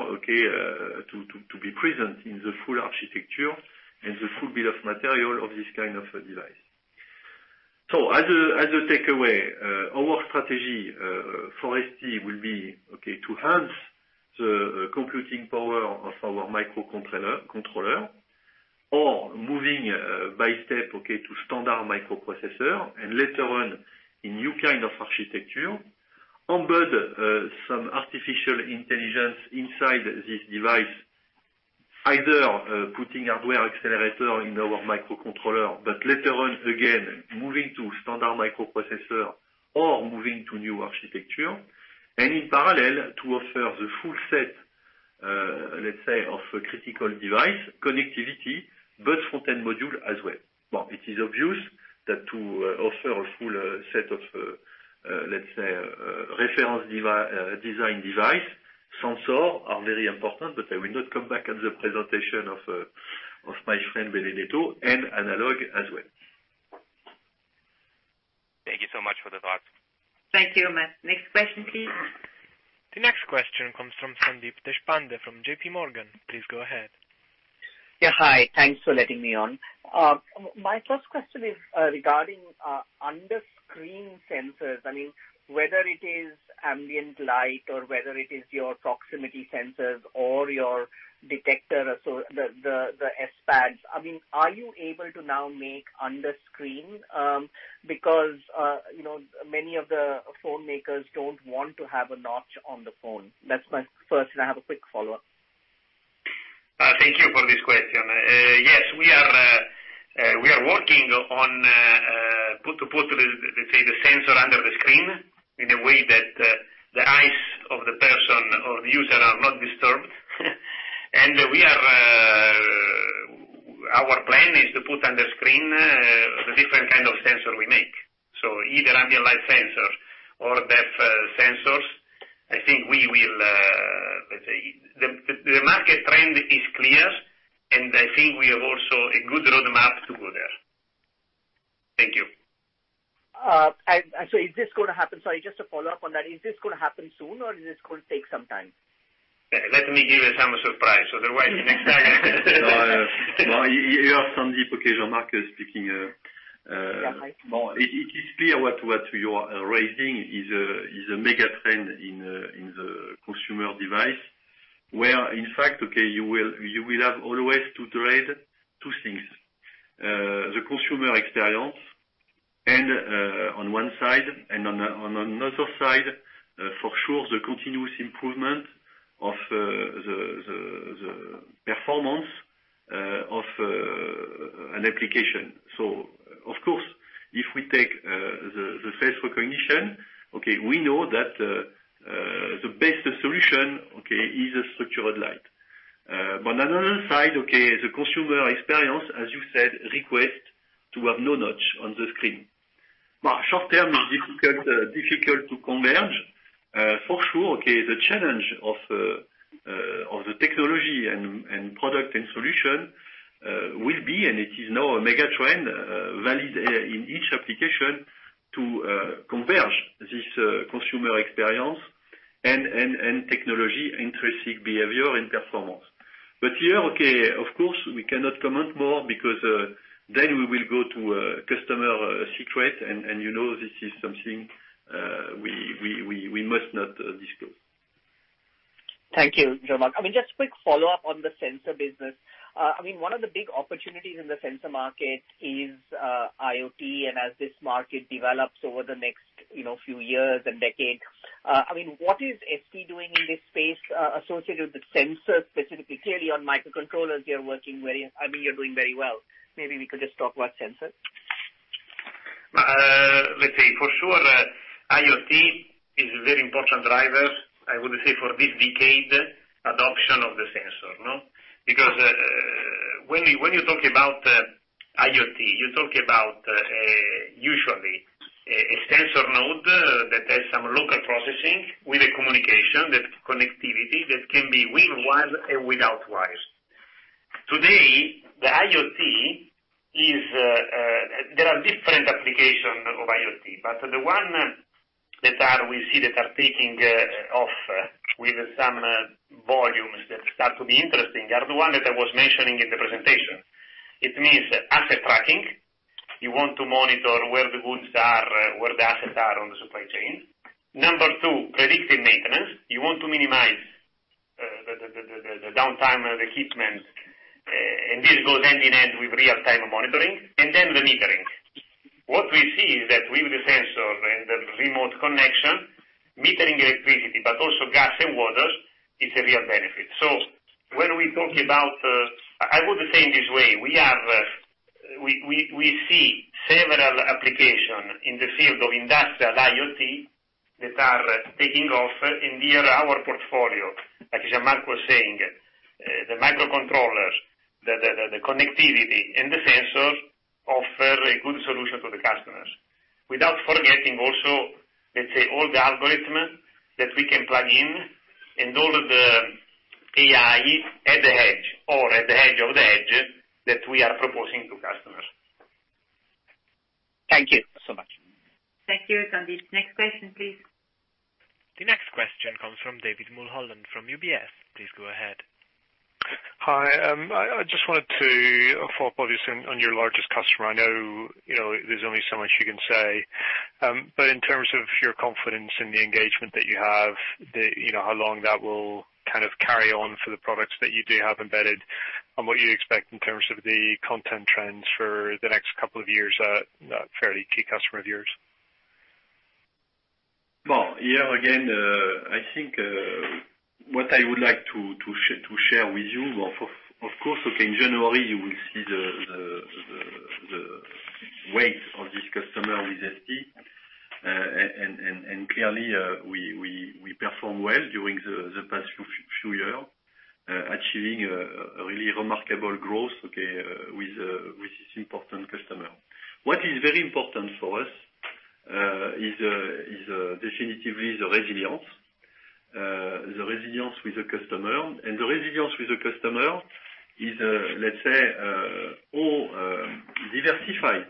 to be present in the full architecture and the full bill of material of this kind of a device. As a takeaway, our strategy for ST will be to enhance the computing power of our microcontroller or moving by step to standard microprocessor, and later on, a new kind of architecture. Embed some artificial intelligence inside this device, either putting hardware accelerator in our microcontroller, but later on, again, moving to standard microprocessor or moving to new architecture. In parallel, to offer the full set, let's say, of critical device connectivity, but front-end module as well. Well, it is obvious that to offer a full set of, let's say, reference design device, sensor are very important, but I will not come back on the presentation of my friend Benedetto and analog as well. Thank you so much for the thoughts. Thank you. Next question, please. The next question comes from Sandeep Deshpande from JPMorgan. Please go ahead. Yeah. Hi, thanks for letting me on. My first question is regarding under screen sensors. I mean, whether it is ambient light or whether it is your proximity sensors or your detector, so the SPADs. Are you able to now make under screen? Many of the phone makers don't want to have a notch on the phone. That's my first, and I have a quick follow-up. Thank you for this question. Yes, we are working on putting the sensor under the screen in a way that the eyes of the person or the user are not disturbed. Our plan is to put under screen, the different kind of sensor we make. Either ambient light sensors or depth sensors. The market trend is clear, and I think we have also a good roadmap to go there. Thank you. Is this going to happen? Sorry, just to follow up on that, is this going to happen soon or is this going to take some time? Let me give some surprise. Otherwise, next time. No. You heard Sandeep. Okay, Jean-Marc speaking. Yeah. Hi. It is clear what you are raising is a mega trend in the consumer device, where in fact, okay, you will have always to trade two things. The consumer experience on one side, and on another side, for sure, the continuous improvement of the performance of an application. Of course, if we take the face recognition, okay, we know that the best solution, okay, is a structured light. On another side, okay, the consumer experience, as you said, request to have no notch on the screen. Well, short-term is difficult to converge. For sure, okay, the challenge of the technology and product and solution will be, and it is now a mega trend, valid in each application to converge this consumer experience and technology intrinsic behavior and performance. Here, okay, of course, we cannot comment more because then we will go to customer secret, and you know this is something we must not disclose. Thank you, Jean-Marc. Just a quick follow-up on the sensor business. One of the big opportunities in the sensor market is IoT, and as this market develops over the next few years and decade, what is ST doing in this space associated with sensors specifically? Clearly, on microcontrollers, you're doing very well. Maybe we could just talk about sensors. Let's say, for sure, IoT is very important drivers, I would say, for this decade, adoption of the sensor, no? When you talk about IoT, you talk about, usually, a sensor node that has some local processing with a communication, that connectivity that can be with wire and without wires. Today, there are different application of IoT. The one that we see that are taking off with some volumes that start to be interesting are the one that I was mentioning in the presentation. It means asset tracking. You want to monitor where the goods are, where the assets are on the supply chain. Number 2, predictive maintenance. You want to minimize the downtime of equipment, and this goes hand in hand with real-time monitoring. The metering. What we see is that with the sensor and the remote connection, metering electricity, but also gas and waters, is a real benefit. When we talk about, I would say in this way, we see several applications in the field of industrial IoT that are taking off and they are our portfolio. Like Jean-Marc was saying, the microcontrollers, the connectivity and the sensors offer a good solution to the customers. Without forgetting also, let's say, all the algorithms that we can plug in and all of the AI at the edge or at the edge of the edge, that we are proposing to customers. Thank you so much. Thank you, Sandeep. Next question, please. The next question comes from David Mulholland from UBS. Please go ahead. Hi. I just wanted to follow up obviously on your largest customer. I know there's only so much you can say. In terms of your confidence in the engagement that you have, how long that will kind of carry on for the products that you do have embedded, and what you expect in terms of the content trends for the next couple of years at that fairly key customer of yours. Well, here again, I think, what I would like to share with you, of course, okay, in January, you will see the weight of this customer with ST. Clearly, we perform well during the past few years, achieving a really remarkable growth, okay, with this important customer. What is very important for us is definitively the resilience. The resilience with the customer. The resilience with the customer is, let's say, how diversified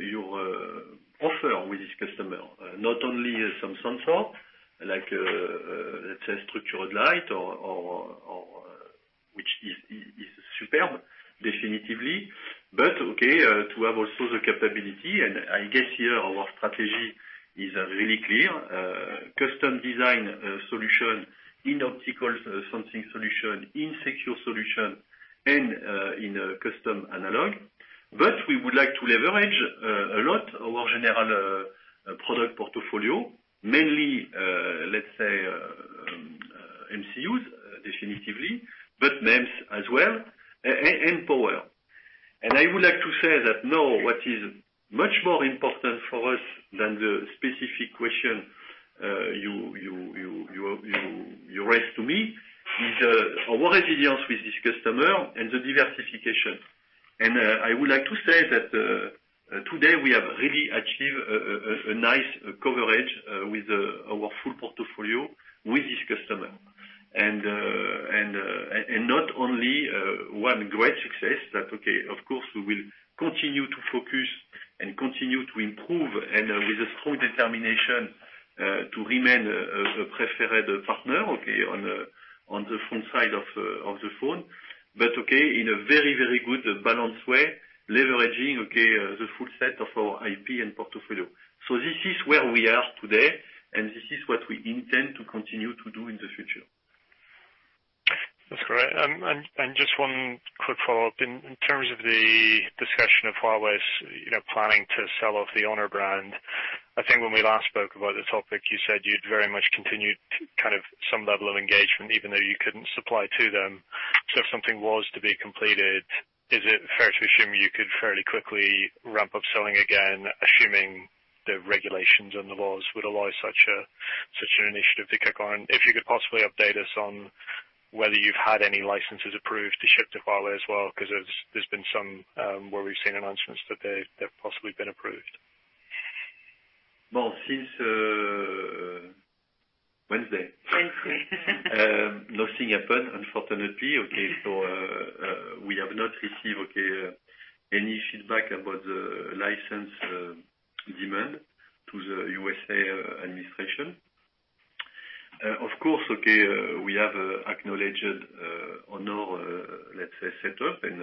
your offer with this customer. Not only some sensor like, let's say, structured light, which is superb definitively, but okay, to have also the capability, and I guess here our strategy is really clear. Custom design solution in optical sensing solution, in secure solution, and in a custom analog. We would like to leverage a lot our general product portfolio, mainly, let's say, MCUs definitively, but MEMS as well, and power. I would like to say that now, what is much more important for us than the specific question you raised to me, is our resilience with this customer and the diversification. I would like to say that, today we have really achieved a nice coverage with our full portfolio with this customer. Not only one great success, that okay, of course we will continue to focus and continue to improve, and with a strong determination to remain a preferred partner, okay, on the front side of the phone. Okay, in a very, very good balanced way, leveraging, okay, the full set of our IP and portfolio. This is where we are today, and this is what we intend to continue to do in the future. That's great. Just one quick follow-up. In terms of the discussion of Huawei's planning to sell off the Honor brand, I think when we last spoke about the topic, you said you'd very much continue some level of engagement, even though you couldn't supply to them. If something was to be completed, is it fair to assume you could fairly quickly ramp up selling again, assuming the regulations and the laws would allow such an initiative to kick on? If you could possibly update us on whether you've had any licenses approved to ship to Huawei as well, because there's been some, where we've seen announcements that they've possibly been approved. Well, since Wednesday. Wednesday. Nothing happened, unfortunately. We have not received any feedback about the license demand to the U.S.A. administration. We have acknowledged Honor set up and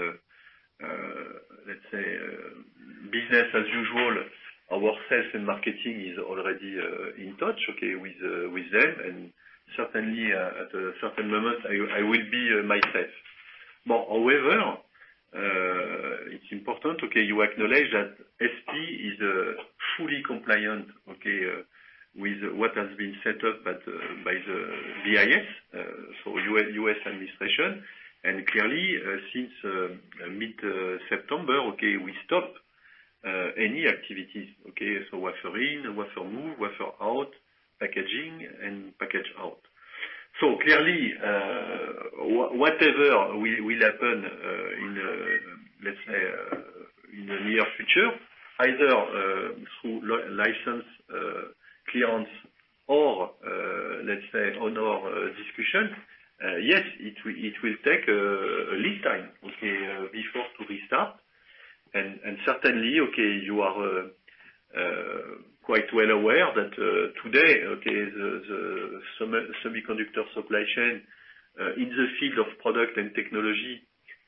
business as usual. Our sales and marketing is already in touch with them and certainly, at a certain moment, I will be myself. It's important you acknowledge that ST is fully compliant with what has been set up by the BIS, so U.S. administration. Since mid-September, we stop any activities. Wafer in, wafer move, wafer out, packaging, and package out. Whatever will happen in the near future, either through license clearance or on our discussion. It will take a lead time before to restart. Certainly, you are quite well aware that today, the semiconductor supply chain, in the field of product and technology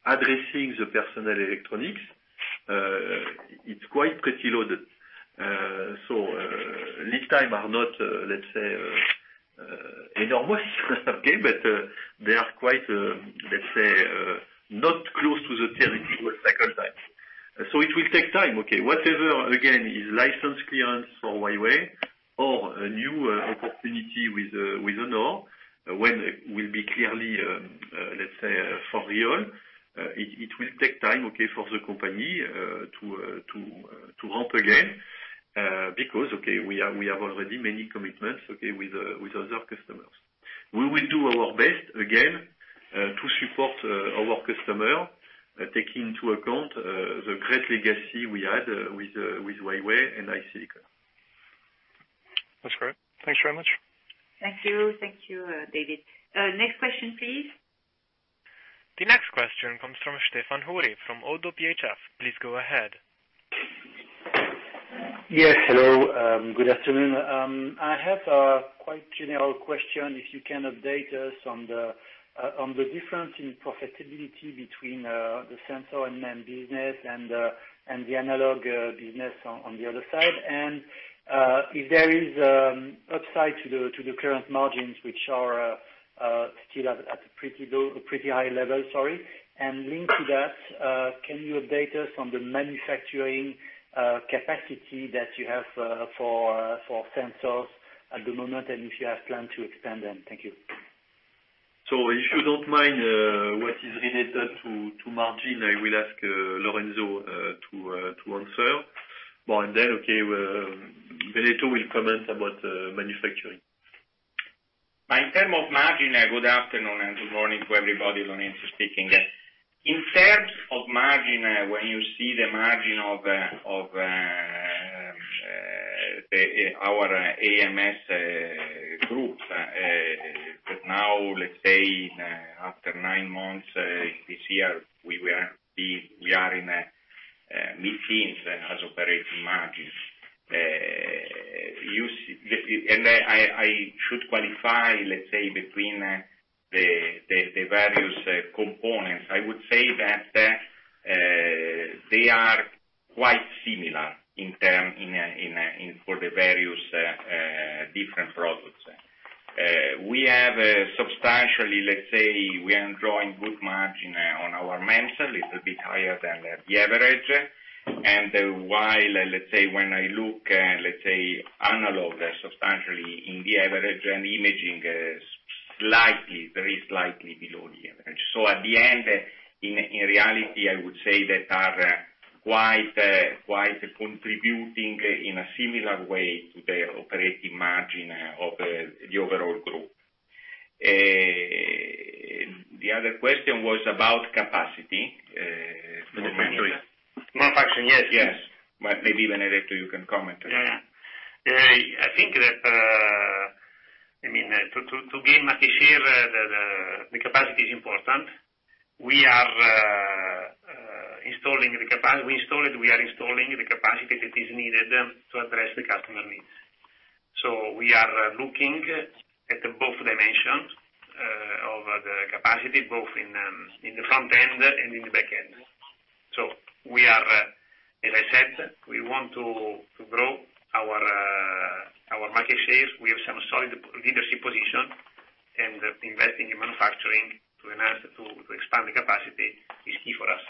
addressing the personal electronics, it's quite pretty loaded. Lead time are not, let's say, enormous. But they are quite, let's say, not close to the theoretical cycle time. It will take time. Whatever, again, is license clearance for Huawei or a new opportunity with Honor, when will be clearly, let's say, for real, it will take time for the company to ramp again. We have already many commitments with other customers. We will do our best, again, to support our customer, taking into account the great legacy we had with Huawei and IC. That's great, thanks very much. Thank you. Thank you, David. Next question, please. The next question comes from Stéphane Houri from ODDO BHF. Please go ahead. Yes, hello. Good afternoon. I have a quite general question, if you can update us on the difference in profitability between the sensor and MEMS business and the analog business on the other side. If there is upside to the current margins, which are still at a pretty high level, sorry. Linked to that, can you update us on the manufacturing capacity that you have for sensors at the moment, and if you have planned to expand them? Thank you. If you don't mind, what is related to margin, I will ask Lorenzo to answer. Okay, Benedetto will comment about manufacturing. Good afternoon and good morning to everybody, Lorenzo speaking. In terms of margin, when you see the margin of our AMS group. Now, let's say, after nine months this year, we are in mid-teens as operating margins. I should qualify, let's say, between the various components. I would say that They are quite similar for the various different products. We have substantially, let's say, we are drawing good margin on our MEMS, a little bit higher than the average. While, let's say, when I look, let's say, analog, they're substantially in the average and imaging very slightly below the average. At the end, in reality, I would say that are quite contributing in a similar way to the operating margin of the overall group. The other question was about capacity. Manufacturing. Manufacturing, yes. Yes. Maybe, Benedetto, you can comment. Yeah. I think that, to gain market share, the capacity is important. We are installing the capacity that is needed to address the customer needs. We are looking at both dimensions of the capacity, both in the front end and in the back end. As I said, we want to grow our market shares. We have some solid leadership position, and investing in manufacturing to expand the capacity is key for us.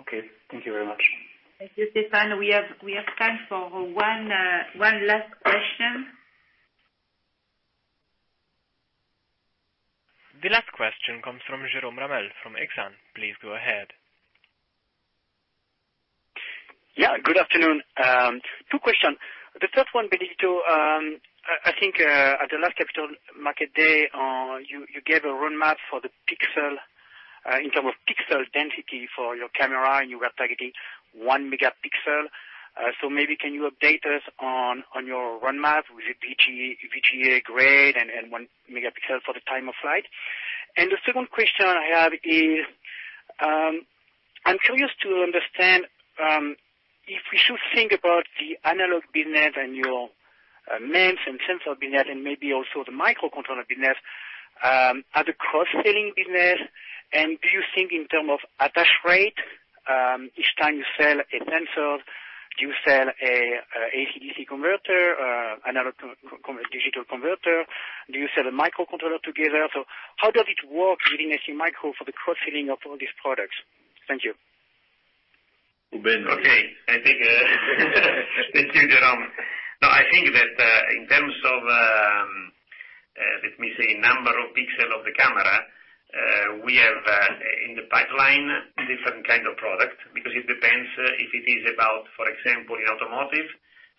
Okay. Thank you very much. Thank you, Stéphane. We have time for one last question. The last question comes from Jerome Ramel from Exane. Please go ahead. Yeah, good afternoon. Two question. The first one, Benedetto, I think, at the last capital market day, you gave a roadmap for the pixel, in term of pixel density for your camera, and you were targeting one megapixel. Maybe can you update us on your roadmap with a VGA grade and one megapixel for the time of flight? The second question I have is, I'm curious to understand, if we should think about the analog business and your MEMS and sensor business and maybe also the microcontroller business, are the cross-selling business, and do you think in term of attach rate, each time you sell a sensor, do you sell an AC-DC converter, analog-to-digital converter? Do you sell a microcontroller together? How does it work within STMicro for the cross-selling of all these products? Thank you. To Benedetto. Okay. Thank you, Jerome. No, I think that in terms of, let me say, number of pixels of the camera, we have, in the pipeline, different kind of product because it depends if it is about, for example, in automotive,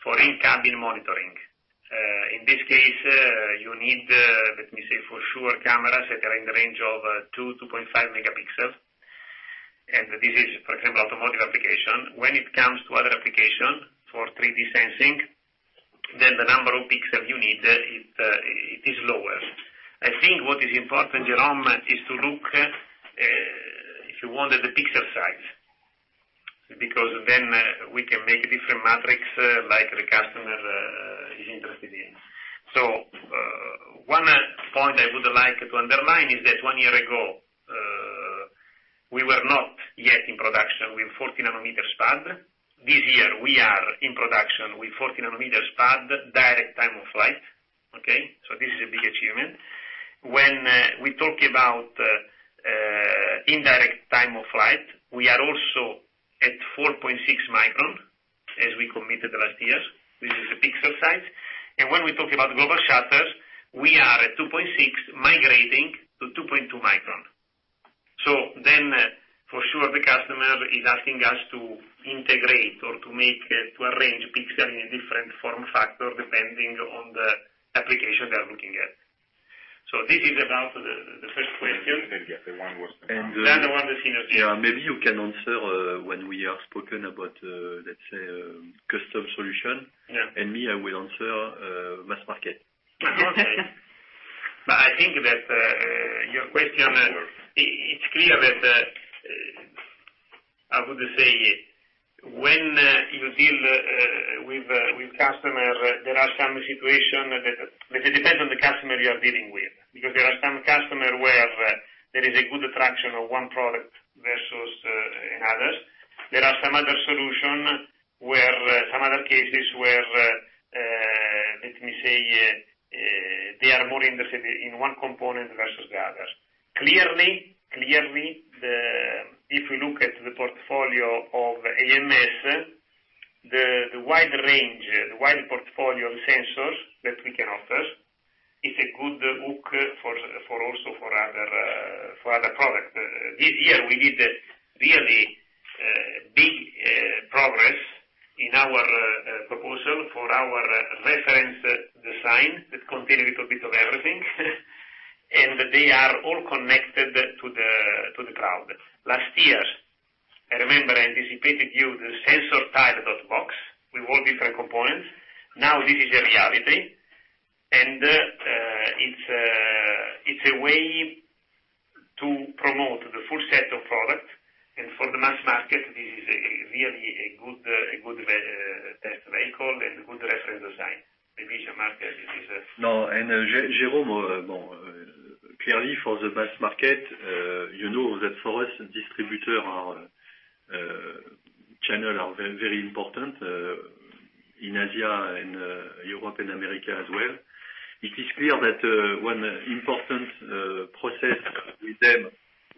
for in-cabin monitoring. In this case, you need, let me say, for sure, cameras that are in the range of two, 2.5 megapixels. This is, for example, automotive application. When it comes to other application for 3D sensing, then the number of pixels you need, it is lower. I think what is important, Jerome, is to look, if you want, at the pixel size, because then we can make different metrics like the customer is interested in. One point I would like to underline is that one year ago, we were not yet in production with 40 nanometer SPADs. This year, we are in production with 40 nanometers SPAD, direct time of flight, okay. This is a big achievement. When we talk about indirect time of flight, we are also at 4.6 micron, as we committed last year. This is a pixel size. When we talk about global shutters, we are at 2.6, migrating to 2.2 micron. For sure, the customer is asking us to integrate or to arrange pixel in a different form factor depending on the application they're looking at. This is about the first question. The other one was. The one that follows. Yeah, maybe you can answer when we have spoken about, let's say, custom solution. Yeah. Me, I will answer mass market. Okay. I think that your question, it's clear that, how would I say it? When you deal with customer, there are some situation that it depends on the customer you are dealing with. There are some customer where there is a good traction of one product versus others. There are some other cases where, let me say, they are more interested in one component versus the others. If we look at the portfolio of AMS, the wide range, the wide portfolio of sensors that we can offer is a good hook also for other product. This year, we did a really big progress in our proposal for our reference design that contain a little bit of everything. They are all connected to the cloud. Last year, I remember I anticipated you the SensorTile.box with all different components. Now, this is a reality, and it's a way to promote the full set of products. For the mass market, this is really a good test vehicle and a good reference design. Maybe Jean-Marc can give his. Jerome, clearly for the mass market, you know that for us, distributor channel are very important, in Asia and Europe and America as well. It is clear that one important process with them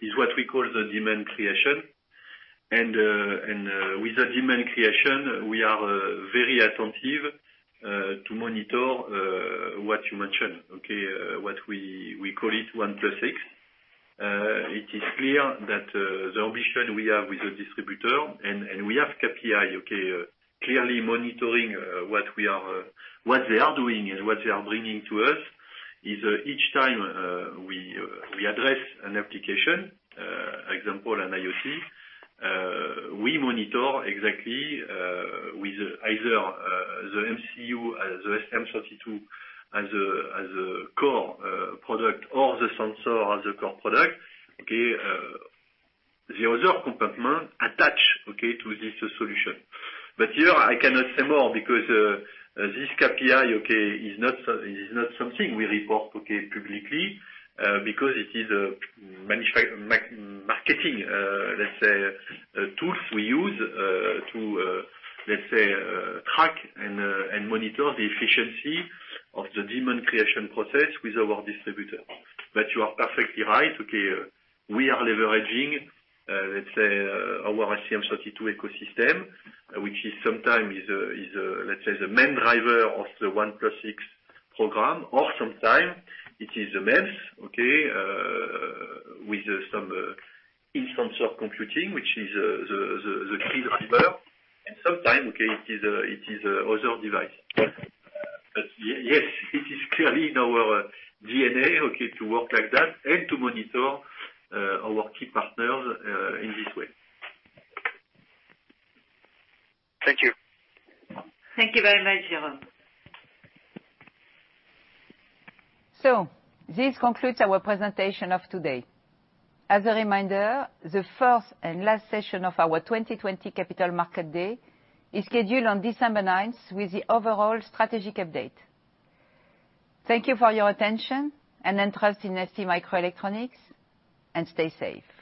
is what we call the demand creation. With the demand creation, we are very attentive to monitor what you mentioned. Okay. What we call it 1+6. It is clear that the ambition we have with the distributor, and we have KPI, okay, clearly monitoring what they are doing and what they are bringing to us, is each time we address an application, example an IoT, we monitor exactly, with either the MCU as the STM32 as a core product or the sensor as a core product, okay, the other compartment attach to this solution. Here I cannot say more because this KPI is not something we report publicly, because it is a marketing tool we use to track and monitor the efficiency of the demand creation process with our distributor. You are perfectly right. We are leveraging our STM32 ecosystem, which is sometimes the main driver of the one plus six program, or sometime it is the MEMS, okay, with some instance of computing, which is the key driver, and sometime it is other device. Yes, it is clearly in our DNA to work like that and to monitor our key partners in this way. Thank you. Thank you very much, Jerome. This concludes our presentation of today. As a reminder, the first and last session of our 2020 Capital Market Day is scheduled on December 9th with the overall strategic update. Thank you for your attention and interest in STMicroelectronics, and stay safe.